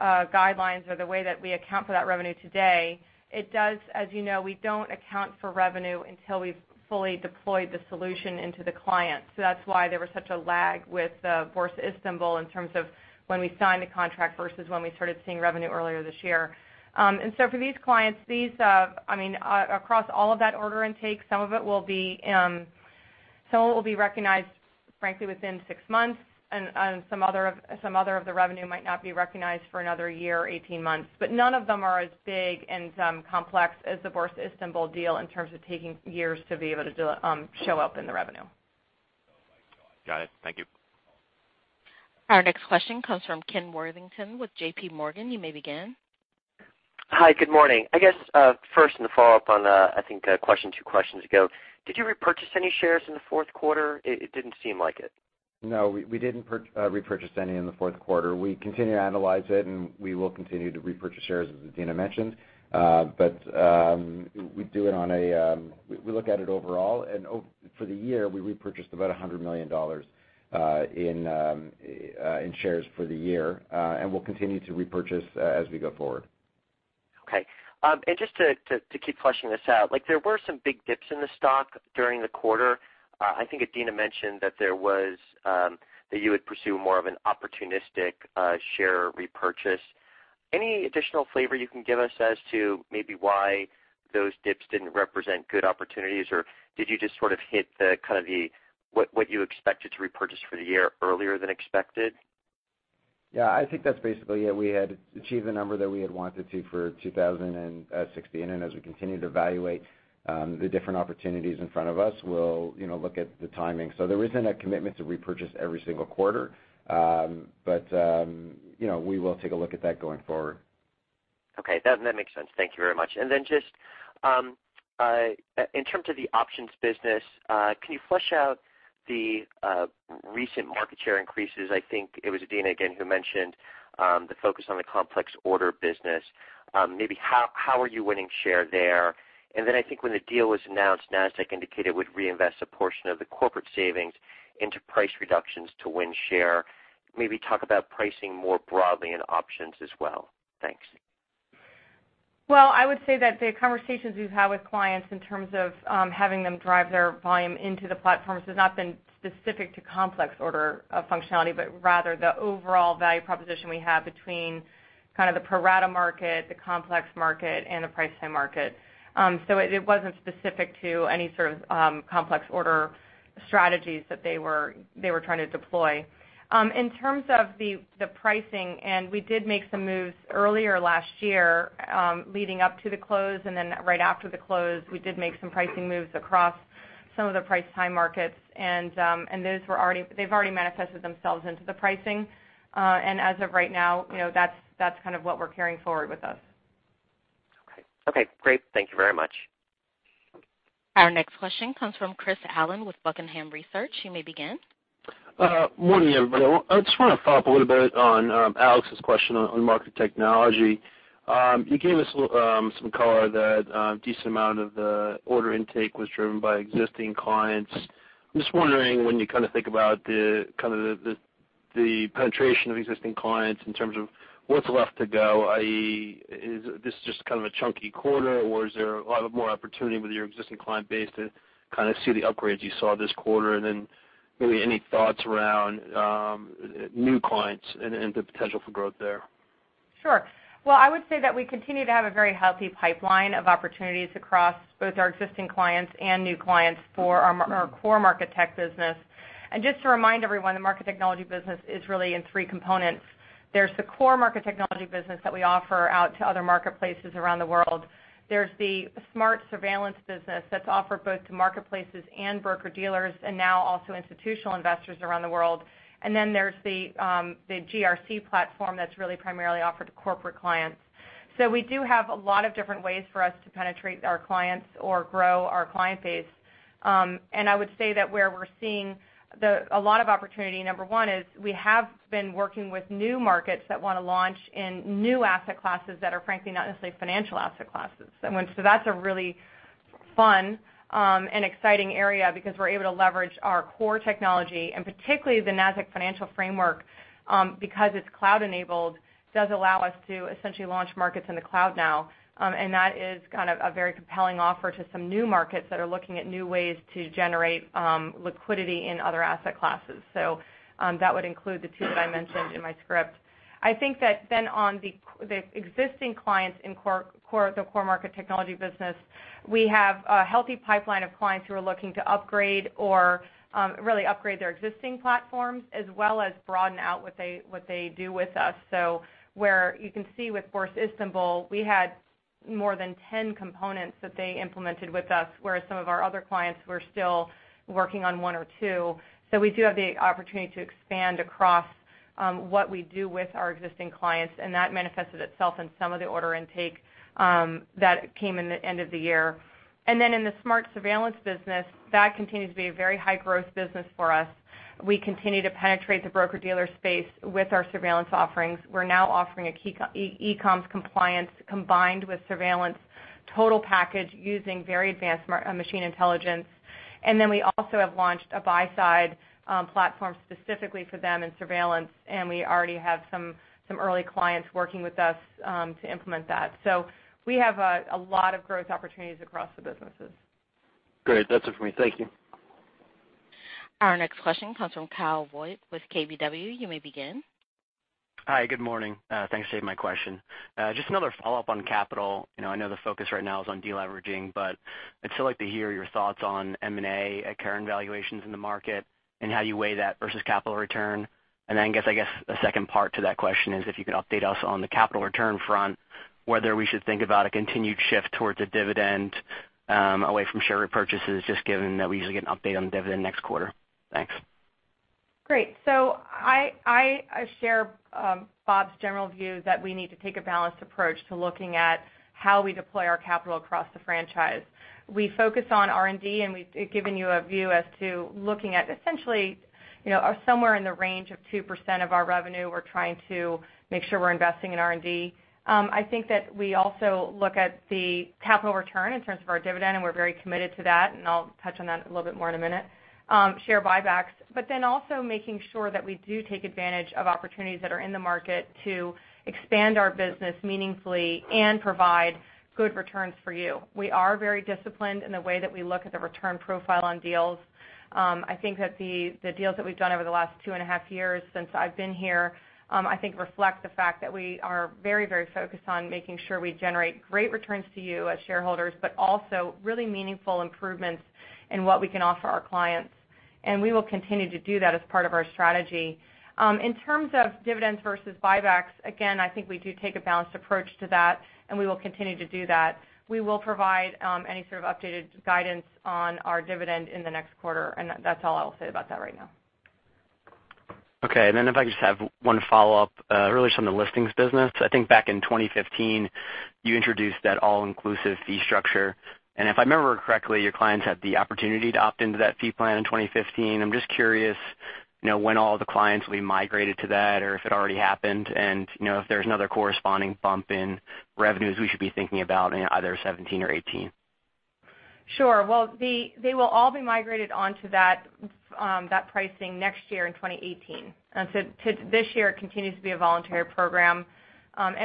guidelines or the way that we account for that revenue today, as you know, we don't account for revenue until we've fully deployed the solution into the client. That's why there was such a lag with Borsa Istanbul in terms of when we signed the contract versus when we started seeing revenue earlier this year. For these clients, across all of that order intake, some of it will be recognized, frankly, within six months, and some other of the revenue might not be recognized for another year, 18 months. None of them are as big and complex as the Borsa Istanbul deal in terms of taking years to be able to show up in the revenue. Got it. Thank you. Our next question comes from Ken Worthington with JP Morgan. You may begin. Hi, good morning. I guess, first in the follow-up on, I think, a question two questions ago, did you repurchase any shares in the fourth quarter? It didn't seem like it. No, we didn't repurchase any in the fourth quarter. We continue to analyze it, and we will continue to repurchase shares, as Adena mentioned. We look at it overall. For the year, we repurchased about $100 million in shares for the year. We'll continue to repurchase as we go forward. Okay. Just to keep fleshing this out, there were some big dips in the stock during the quarter. I think Adena mentioned that you would pursue more of an opportunistic share repurchase. Any additional flavor you can give us as to maybe why those dips didn't represent good opportunities? Did you just sort of hit what you expected to repurchase for the year earlier than expected? Yeah, I think that's basically it. We had achieved the number that we had wanted to for 2016. As we continue to evaluate the different opportunities in front of us, we'll look at the timing. There isn't a commitment to repurchase every single quarter. We will take a look at that going forward. Okay. That makes sense. Thank you very much. Then just in terms of the options business, can you flesh out the recent market share increases? I think it was Adena again who mentioned the focus on the complex order business. Maybe how are you winning share there? Then I think when the deal was announced, Nasdaq indicated it would reinvest a portion of the corporate savings into price reductions to win share. Maybe talk about pricing more broadly in options as well. Thanks. I would say that the conversations we've had with clients in terms of having them drive their volume into the platforms has not been specific to complex order functionality, but rather the overall value proposition we have between kind of the pro rata market, the complex market, and the price time market. It wasn't specific to any sort of complex order strategies that they were trying to deploy. In terms of the pricing, we did make some moves earlier last year leading up to the close, then right after the close, we did make some pricing moves across some of the price time markets. They've already manifested themselves into the pricing. As of right now, that's kind of what we're carrying forward with us. Okay, great. Thank you very much. Our next question comes from Chris Allen with Buckingham Research. You may begin. Morning, everybody. I just want to follow up a little bit on Alex's question on Market Technology. You gave us some color that a decent amount of the order intake was driven by existing clients. I'm just wondering when you kind of think about the penetration of existing clients in terms of what's left to go, i.e., is this just kind of a chunky quarter, or is there a lot more opportunity with your existing client base to kind of see the upgrades you saw this quarter? Then maybe any thoughts around new clients and the potential for growth there? Sure. Well, I would say that we continue to have a very healthy pipeline of opportunities across both our existing clients and new clients for our core Market Technology business. Just to remind everyone, the Market Technology business is really in three components. There's the core Market Technology business that we offer out to other marketplaces around the world. There's the SMARTS surveillance business that's offered both to marketplaces and broker-dealers, and now also institutional investors around the world. Then there's the GRC platform that's really primarily offered to corporate clients. We do have a lot of different ways for us to penetrate our clients or grow our client base. I would say that where we're seeing a lot of opportunity, number 1, is we have been working with new markets that want to launch in new asset classes that are frankly not necessarily financial asset classes. That's a really fun and exciting area because we're able to leverage our core technology and particularly the Nasdaq Financial Framework because it's cloud enabled, does allow us to essentially launch markets in the cloud now. That is kind of a very compelling offer to some new markets that are looking at new ways to generate liquidity in other asset classes. That would include the two that I mentioned in my script. I think that on the existing clients in the core Market Technology business, we have a healthy pipeline of clients who are looking to upgrade or really upgrade their existing platforms as well as broaden out what they do with us. Where you can see with Borsa Istanbul, we had more than 10 components that they implemented with us, whereas some of our other clients were still working on one or two. We do have the opportunity to expand across what we do with our existing clients, and that manifested itself in some of the order intake that came in the end of the year. Then in the SMARTS surveillance business, that continues to be a very high growth business for us. We continue to penetrate the broker-dealer space with our surveillance offerings. We're now offering e-comms compliance combined with surveillance total package using very advanced machine intelligence. Then we also have launched a buy-side platform specifically for them in surveillance, and we already have some early clients working with us to implement that. We have a lot of growth opportunities across the businesses. Great. That's it for me. Thank you. Our next question comes from Kyle Voigt with KBW. You may begin. Hi, good morning. Thanks for taking my question. Just another follow-up on capital. I know the focus right now is on de-leveraging, I'd still like to hear your thoughts on M&A at current valuations in the market and how you weigh that versus capital return. I guess a second part to that question is if you could update us on the capital return front, whether we should think about a continued shift towards a dividend away from share repurchases, just given that we usually get an update on the dividend next quarter. Thanks. Great. I share Bob's general view that we need to take a balanced approach to looking at how we deploy our capital across the franchise. We focus on R&D, we've given you a view as to looking at essentially somewhere in the range of 2% of our revenue, we're trying to make sure we're investing in R&D. I think that we also look at the capital return in terms of our dividend, we're very committed to that, I'll touch on that a little bit more in a minute. Share buybacks, also making sure that we do take advantage of opportunities that are in the market to expand our business meaningfully and provide good returns for you. We are very disciplined in the way that we look at the return profile on deals. I think that the deals that we've done over the last two and a half years since I've been here I think reflect the fact that we are very focused on making sure we generate great returns to you as shareholders, but also really meaningful improvements in what we can offer our clients. We will continue to do that as part of our strategy. In terms of dividends versus buybacks, again, I think we do take a balanced approach to that, and we will continue to do that. We will provide any sort of updated guidance on our dividend in the next quarter, and that's all I'll say about that right now. Okay. If I could just have one follow-up really on the listings business. I think back in 2015, you introduced that all-inclusive fee structure. If I remember correctly, your clients had the opportunity to opt into that fee plan in 2015. I'm just curious when all the clients will be migrated to that or if it already happened and if there's another corresponding bump in revenues we should be thinking about in either 2017 or 2018. Sure. Well, they will all be migrated onto that pricing next year in 2018. This year it continues to be a voluntary program.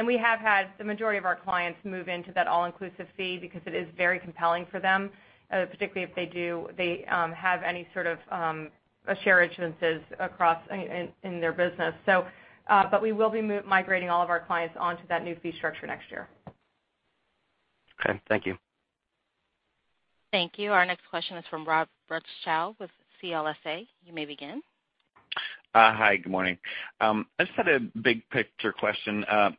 We have had the majority of our clients move into that all-inclusive fee because it is very compelling for them, particularly if they have any sort of share insurances in their business. We will be migrating all of our clients onto that new fee structure next year. Okay. Thank you. Thank you. Our next question is from Rob Brutschy with CLSA. You may begin. Hi, good morning. I just had a big picture question. As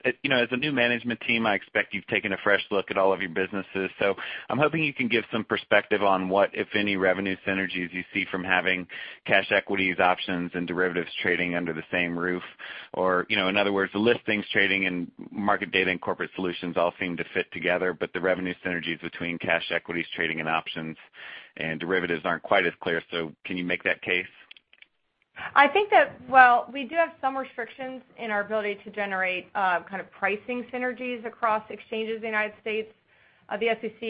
a new management team, I expect you've taken a fresh look at all of your businesses. I'm hoping you can give some perspective on what, if any, revenue synergies you see from having cash equities, options, and derivatives trading under the same roof. In other words, the listings trading and market data and Corporate Solutions all seem to fit together, the revenue synergies between cash equities trading and options and derivatives aren't quite as clear. Can you make that case? I think that, well, we do have some restrictions in our ability to generate kind of pricing synergies across exchanges in the U.S. The SEC,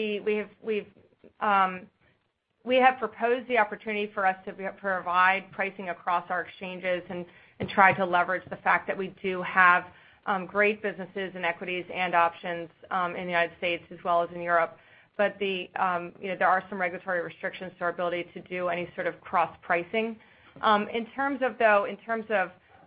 we have proposed the opportunity for us to provide pricing across our exchanges and try to leverage the fact that we do have great businesses and equities and options in the U.S. as well as in Europe. There are some regulatory restrictions to our ability to do any sort of cross-pricing. In terms of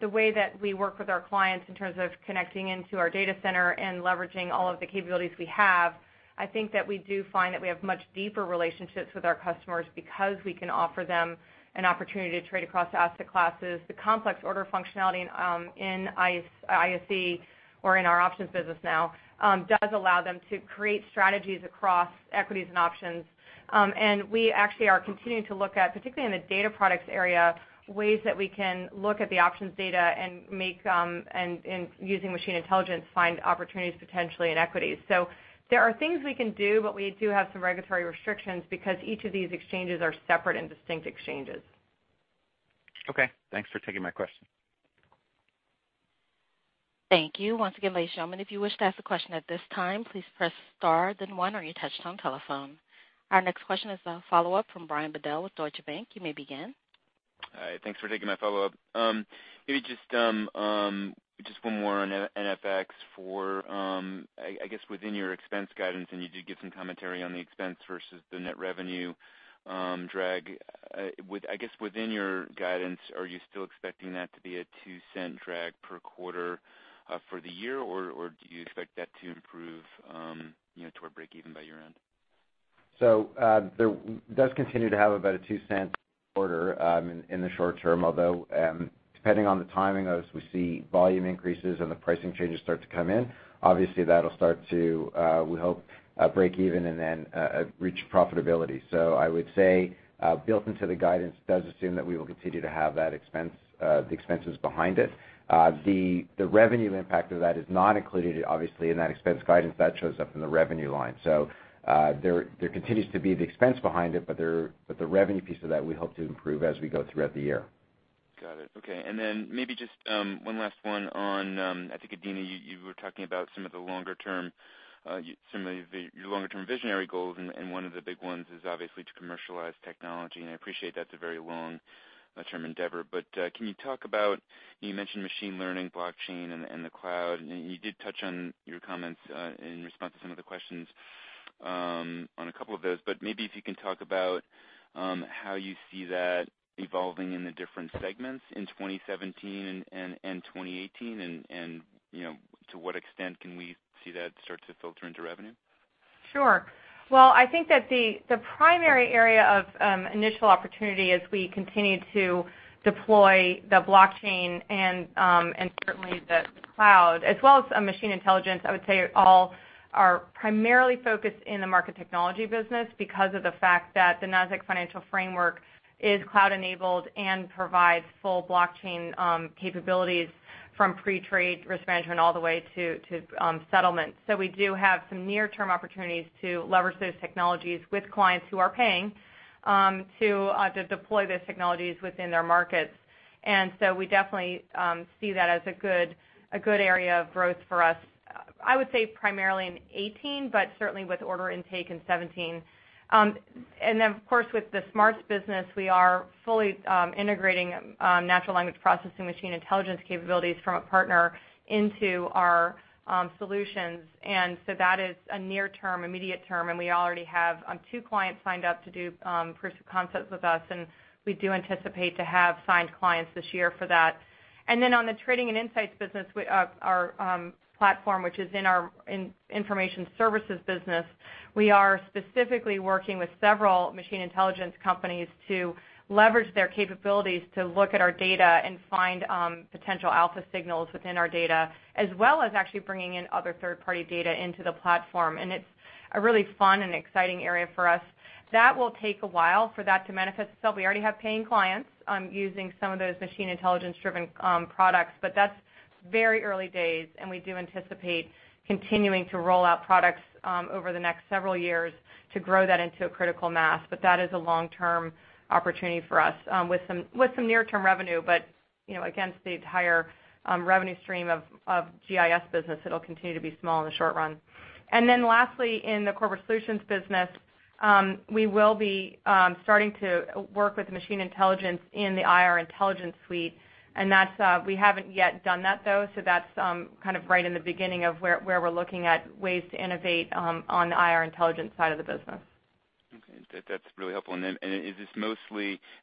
the way that we work with our clients, in terms of connecting into our data center and leveraging all of the capabilities we have, I think that we do find that we have much deeper relationships with our customers because we can offer them an opportunity to trade across asset classes. The complex order functionality in ISE or in our options business now does allow them to create strategies across equities and options. We actually are continuing to look at, particularly in the data products area, ways that we can look at the options data and using machine intelligence, find opportunities potentially in equities. There are things we can do, we do have some regulatory restrictions because each of these exchanges are separate and distinct exchanges. Okay. Thanks for taking my question. Thank you. Once again, ladies and gentlemen, if you wish to ask a question at this time, please press star then one on your touch-tone telephone. Our next question is a follow-up from Brian Bedell with Deutsche Bank. You may begin. Hi. Thanks for taking my follow-up. Maybe just one more on NFX for, I guess, within your expense guidance. You did give some commentary on the expense versus the net revenue drag. Within your guidance, are you still expecting that to be a $0.02 drag per quarter for the year or do you expect that to improve toward breakeven by year-end? It does continue to have about a $0.02 quarter in the short term, although, depending on the timing of as we see volume increases and the pricing changes start to come in, obviously that'll start to, we hope, break even and then reach profitability. I would say, built into the guidance does assume that we will continue to have the expenses behind it. The revenue impact of that is not included, obviously, in that expense guidance. That shows up in the revenue line. There continues to be the expense behind it, but the revenue piece of that we hope to improve as we go throughout the year. Got it. Okay. Maybe just one last one on, I think, Adena, you were talking about some of your longer-term visionary goals, and one of the big ones is obviously to commercialize technology, and I appreciate that's a very long-term endeavor. Can you talk about, you mentioned machine learning, blockchain, and the cloud, and you did touch on your comments in response to some of the questions on a couple of those, but maybe if you can talk about how you see that evolving in the different segments in 2017 and 2018, to what extent can we see that start to filter into revenue? Sure. Well, I think that the primary area of initial opportunity as we continue to deploy the blockchain and certainly the cloud, as well as machine intelligence, I would say all are primarily focused in the Market Technology business because of the fact that the Nasdaq Financial Framework is cloud-enabled and provides full blockchain capabilities from pre-trade risk management all the way to settlement. We do have some near-term opportunities to leverage those technologies with clients who are paying to deploy those technologies within their markets. We definitely see that as a good area of growth for us, I would say primarily in 2018, but certainly with order intake in 2017. Of course, with the SMARTS business, we are fully integrating natural language processing machine intelligence capabilities from a partner into our solutions. That is a near term, immediate term, and we already have two clients signed up to do proof of concepts with us, and we do anticipate to have signed clients this year for that. On the Trading and Analytics business, our platform, which is in our Information Services business, we are specifically working with several machine intelligence companies to leverage their capabilities to look at our data and find potential alpha signals within our data, as well as actually bringing in other third-party data into the platform. It's a really fun and exciting area for us. That will take a while for that to manifest itself. We already have paying clients using some of those machine intelligence-driven products, but that's very early days, and we do anticipate continuing to roll out products over the next several years to grow that into a critical mass. That is a long-term opportunity for us with some near-term revenue. Again, it's the entire revenue stream of GIS business that'll continue to be small in the short run. Lastly, in the Corporate Solutions business, we will be starting to work with machine intelligence in the IR Insight suite, and we haven't yet done that, though. That's right in the beginning of where we're looking at ways to innovate on the IR Insight side of the business. Okay. That's really helpful.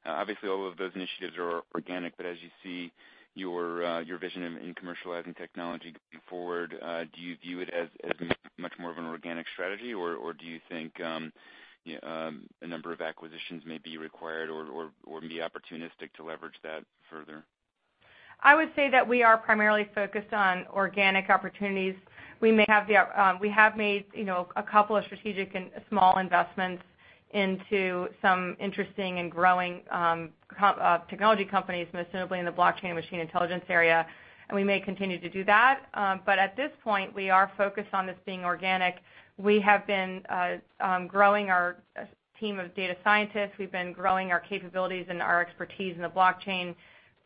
Obviously, all of those initiatives are organic, but as you see your vision in commercializing technology going forward, do you view it as much more of an organic strategy, or do you think a number of acquisitions may be required or be opportunistic to leverage that further? I would say that we are primarily focused on organic opportunities. We have made a couple of strategic and small investments into some interesting and growing technology companies, most notably in the blockchain and machine intelligence area. We may continue to do that. At this point, we are focused on this being organic. We have been growing our team of data scientists. We've been growing our capabilities and our expertise in the blockchain.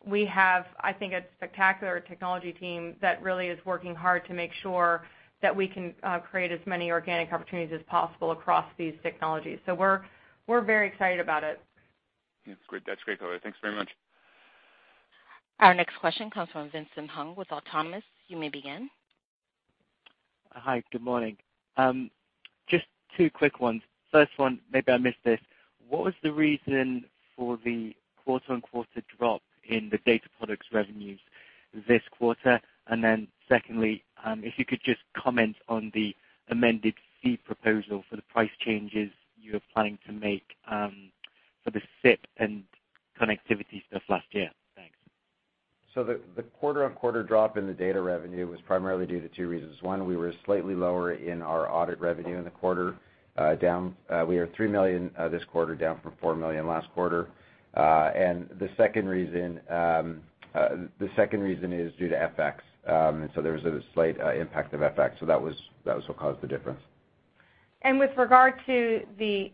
We have, I think, a spectacular technology team that really is working hard to make sure that we can create as many organic opportunities as possible across these technologies. We're very excited about it. That's great. That's great color. Thanks very much. Our next question comes from Vincent Hung with Autonomous. You may begin. Hi. Good morning. Just two quick ones. First one, maybe I missed this. What was the reason for the quarter-on-quarter drop in the data products revenues this quarter? Secondly, if you could just comment on the amended fee proposal for the price changes you're planning to make for the SIP and connectivity stuff last year. Thanks. The quarter-on-quarter drop in the data revenue was primarily due to two reasons. One, we were slightly lower in our audit revenue in the quarter. We are $3 million this quarter, down from $4 million last quarter. The second reason is due to FX. There was a slight impact of FX. That was what caused the difference. With regard to the,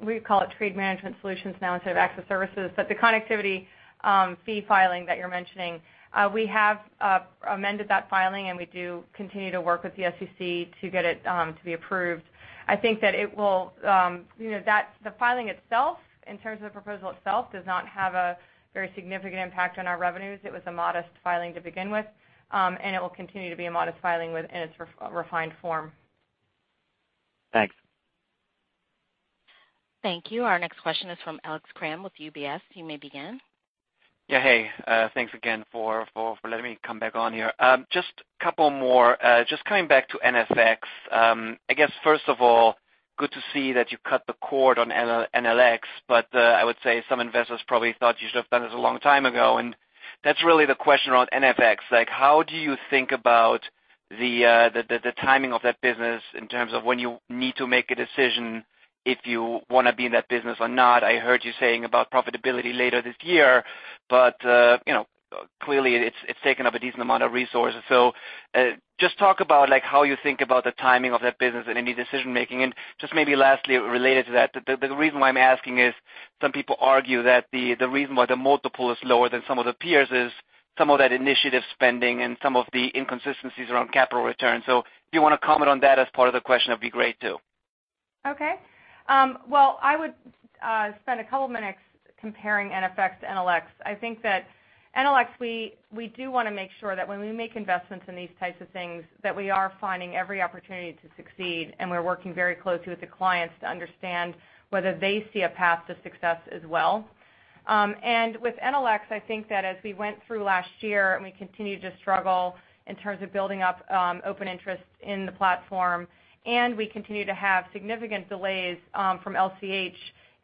we call it Trade Management Solutions now instead of Access Services, but the connectivity fee filing that you're mentioning, we have amended that filing, and we do continue to work with the SEC to get it to be approved. I think that the filing itself, in terms of the proposal itself, does not have a very significant impact on our revenues. It was a modest filing to begin with, and it will continue to be a modest filing in its refined form. Thanks. Thank you. Our next question is from Alex Kramm with UBS. You may begin. Yeah. Hey, thanks again for letting me come back on here. Just couple more. Just coming back to NFX. I guess, first of all, good to see that you cut the cord on NLX. I would say some investors probably thought you should've done this a long time ago, and that's really the question around NFX. How do you think about the timing of that business in terms of when you need to make a decision if you want to be in that business or not? I heard you saying about profitability later this year. Clearly it's taken up a decent amount of resources. Just talk about how you think about the timing of that business and any decision-making. Just maybe lastly, related to that, the reason why I'm asking is some people argue that the reason why the multiple is lower than some of the peers is some of that initiative spending and some of the inconsistencies around capital returns. If you want to comment on that as part of the question, that'd be great, too. Okay. Well, I would spend a couple of minutes comparing NFX to NLX. I think that NLX, we do want to make sure that when we make investments in these types of things, that we are finding every opportunity to succeed, and we're working very closely with the clients to understand whether they see a path to success as well. With NLX, I think that as we went through last year, we continued to struggle in terms of building up open interest in the platform, and we continued to have significant delays from LCH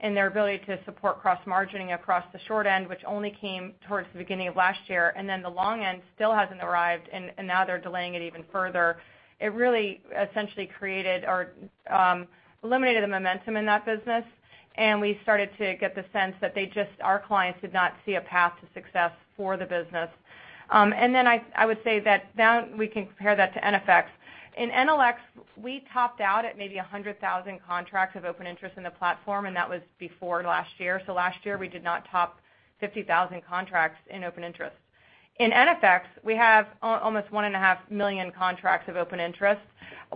and their ability to support cross-margining across the short end, which only came towards the beginning of last year, and then the long end still hasn't arrived, and now they're delaying it even further. It really essentially created or eliminated the momentum in that business, and we started to get the sense that our clients did not see a path to success for the business. I would say that then we can compare that to NFX. In NLX, we topped out at maybe 100,000 contracts of open interest in the platform, and that was before last year. Last year, we did not top 50,000 contracts in open interest. In NFX, we have almost 1.5 million contracts of open interest.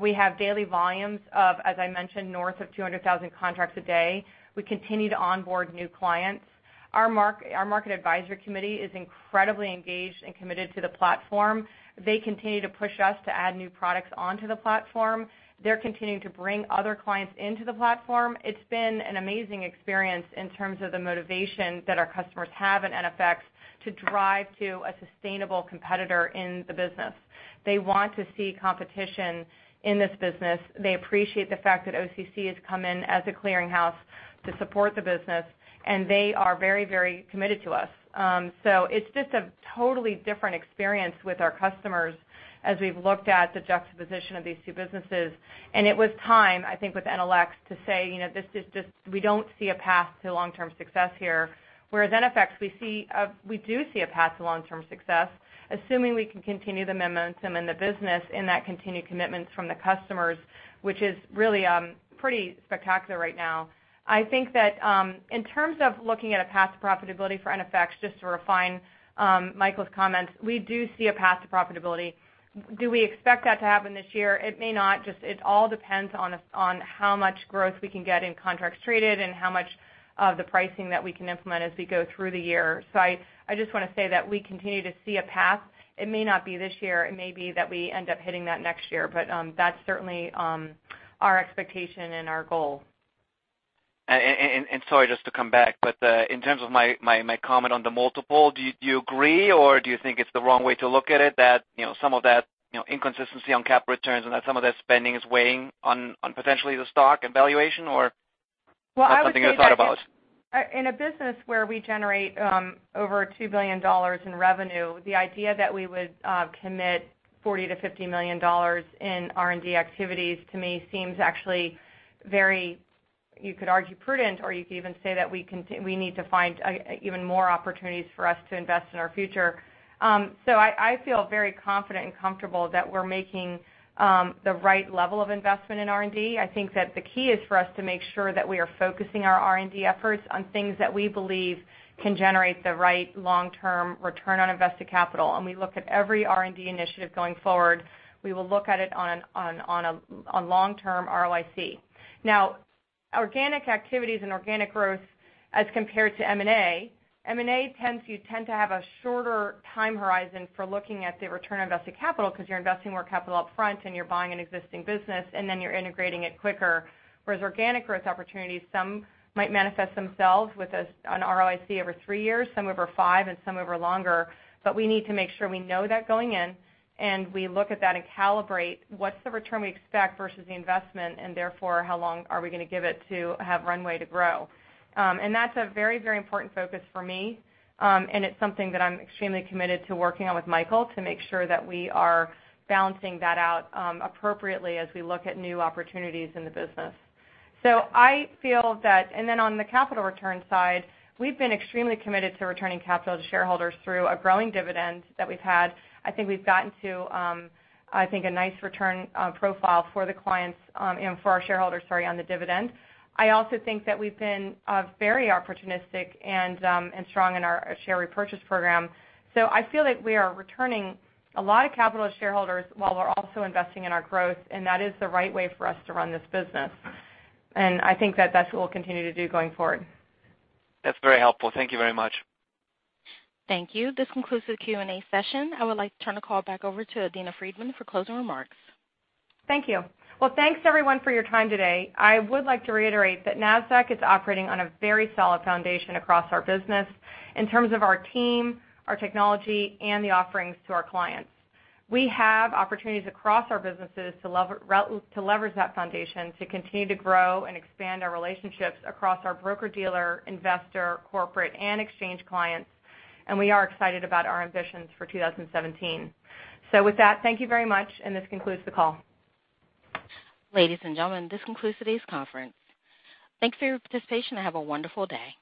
We have daily volumes of, as I mentioned, north of 200,000 contracts a day. We continue to onboard new clients. Our market advisory committee is incredibly engaged and committed to the platform. They continue to push us to add new products onto the platform. They're continuing to bring other clients into the platform. It's been an amazing experience in terms of the motivation that our customers have in NFX to drive to a sustainable competitor in the business. They want to see competition in this business. They appreciate the fact that OCC has come in as a clearinghouse to support the business, and they are very committed to us. It's just a totally different experience with our customers as we've looked at the juxtaposition of these two businesses, and it was time, I think, with NLX to say, "We don't see a path to long-term success here." Whereas NFX, we do see a path to long-term success, assuming we can continue the momentum in the business and that continued commitments from the customers, which is really pretty spectacular right now. I think that in terms of looking at a path to profitability for NFX, just to refine Michael's comments, we do see a path to profitability. Do we expect that to happen this year? It may not. It all depends on how much growth we can get in contracts traded and how much of the pricing that we can implement as we go through the year. I just want to say that we continue to see a path. It may not be this year. It may be that we end up hitting that next year. That's certainly our expectation and our goal. Sorry, just to come back, but in terms of my comment on the multiple, do you agree, or do you think it's the wrong way to look at it? That some of that inconsistency on cap returns and that some of that spending is weighing on potentially the stock and valuation or. I would say that. Something you thought about in a business where we generate over $2 billion in revenue, the idea that we would commit $40 million to $50 million in R&D activities, to me, seems actually very, you could argue, prudent, or you could even say that we need to find even more opportunities for us to invest in our future. I feel very confident and comfortable that we're making the right level of investment in R&D. I think that the key is for us to make sure that we are focusing our R&D efforts on things that we believe can generate the right long-term return on invested capital. We look at every R&D initiative going forward. We will look at it on long-term ROIC. Organic activities and organic growth as compared to M&A, M&A you tend to have a shorter time horizon for looking at the return on invested capital because you're investing more capital up front and you're buying an existing business, and then you're integrating it quicker. Whereas organic growth opportunities, some might manifest themselves with an ROIC over three years, some over five, and some over longer. We need to make sure we know that going in, and we look at that and calibrate what's the return we expect versus the investment, and therefore, how long are we going to give it to have runway to grow? That's a very important focus for me, and it's something that I'm extremely committed to working on with Michael to make sure that we are balancing that out appropriately as we look at new opportunities in the business. I feel that on the capital return side, we've been extremely committed to returning capital to shareholders through a growing dividend that we've had. I think we've gotten to, I think, a nice return profile for the clients and for our shareholders, sorry, on the dividend. I also think that we've been very opportunistic and strong in our share repurchase program. I feel like we are returning a lot of capital to shareholders while we're also investing in our growth, and that is the right way for us to run this business. I think that that's what we'll continue to do going forward. That's very helpful. Thank you very much. Thank you. This concludes the Q&A session. I would like to turn the call back over to Adena Friedman for closing remarks. Thank you. Well, thanks everyone for your time today. I would like to reiterate that Nasdaq is operating on a very solid foundation across our business in terms of our team, our technology, and the offerings to our clients. We have opportunities across our businesses to leverage that foundation to continue to grow and expand our relationships across our broker-dealer, investor, corporate, and exchange clients, and we are excited about our ambitions for 2017. With that, thank you very much, and this concludes the call. Ladies and gentlemen, this concludes today's conference. Thank you for your participation, and have a wonderful day.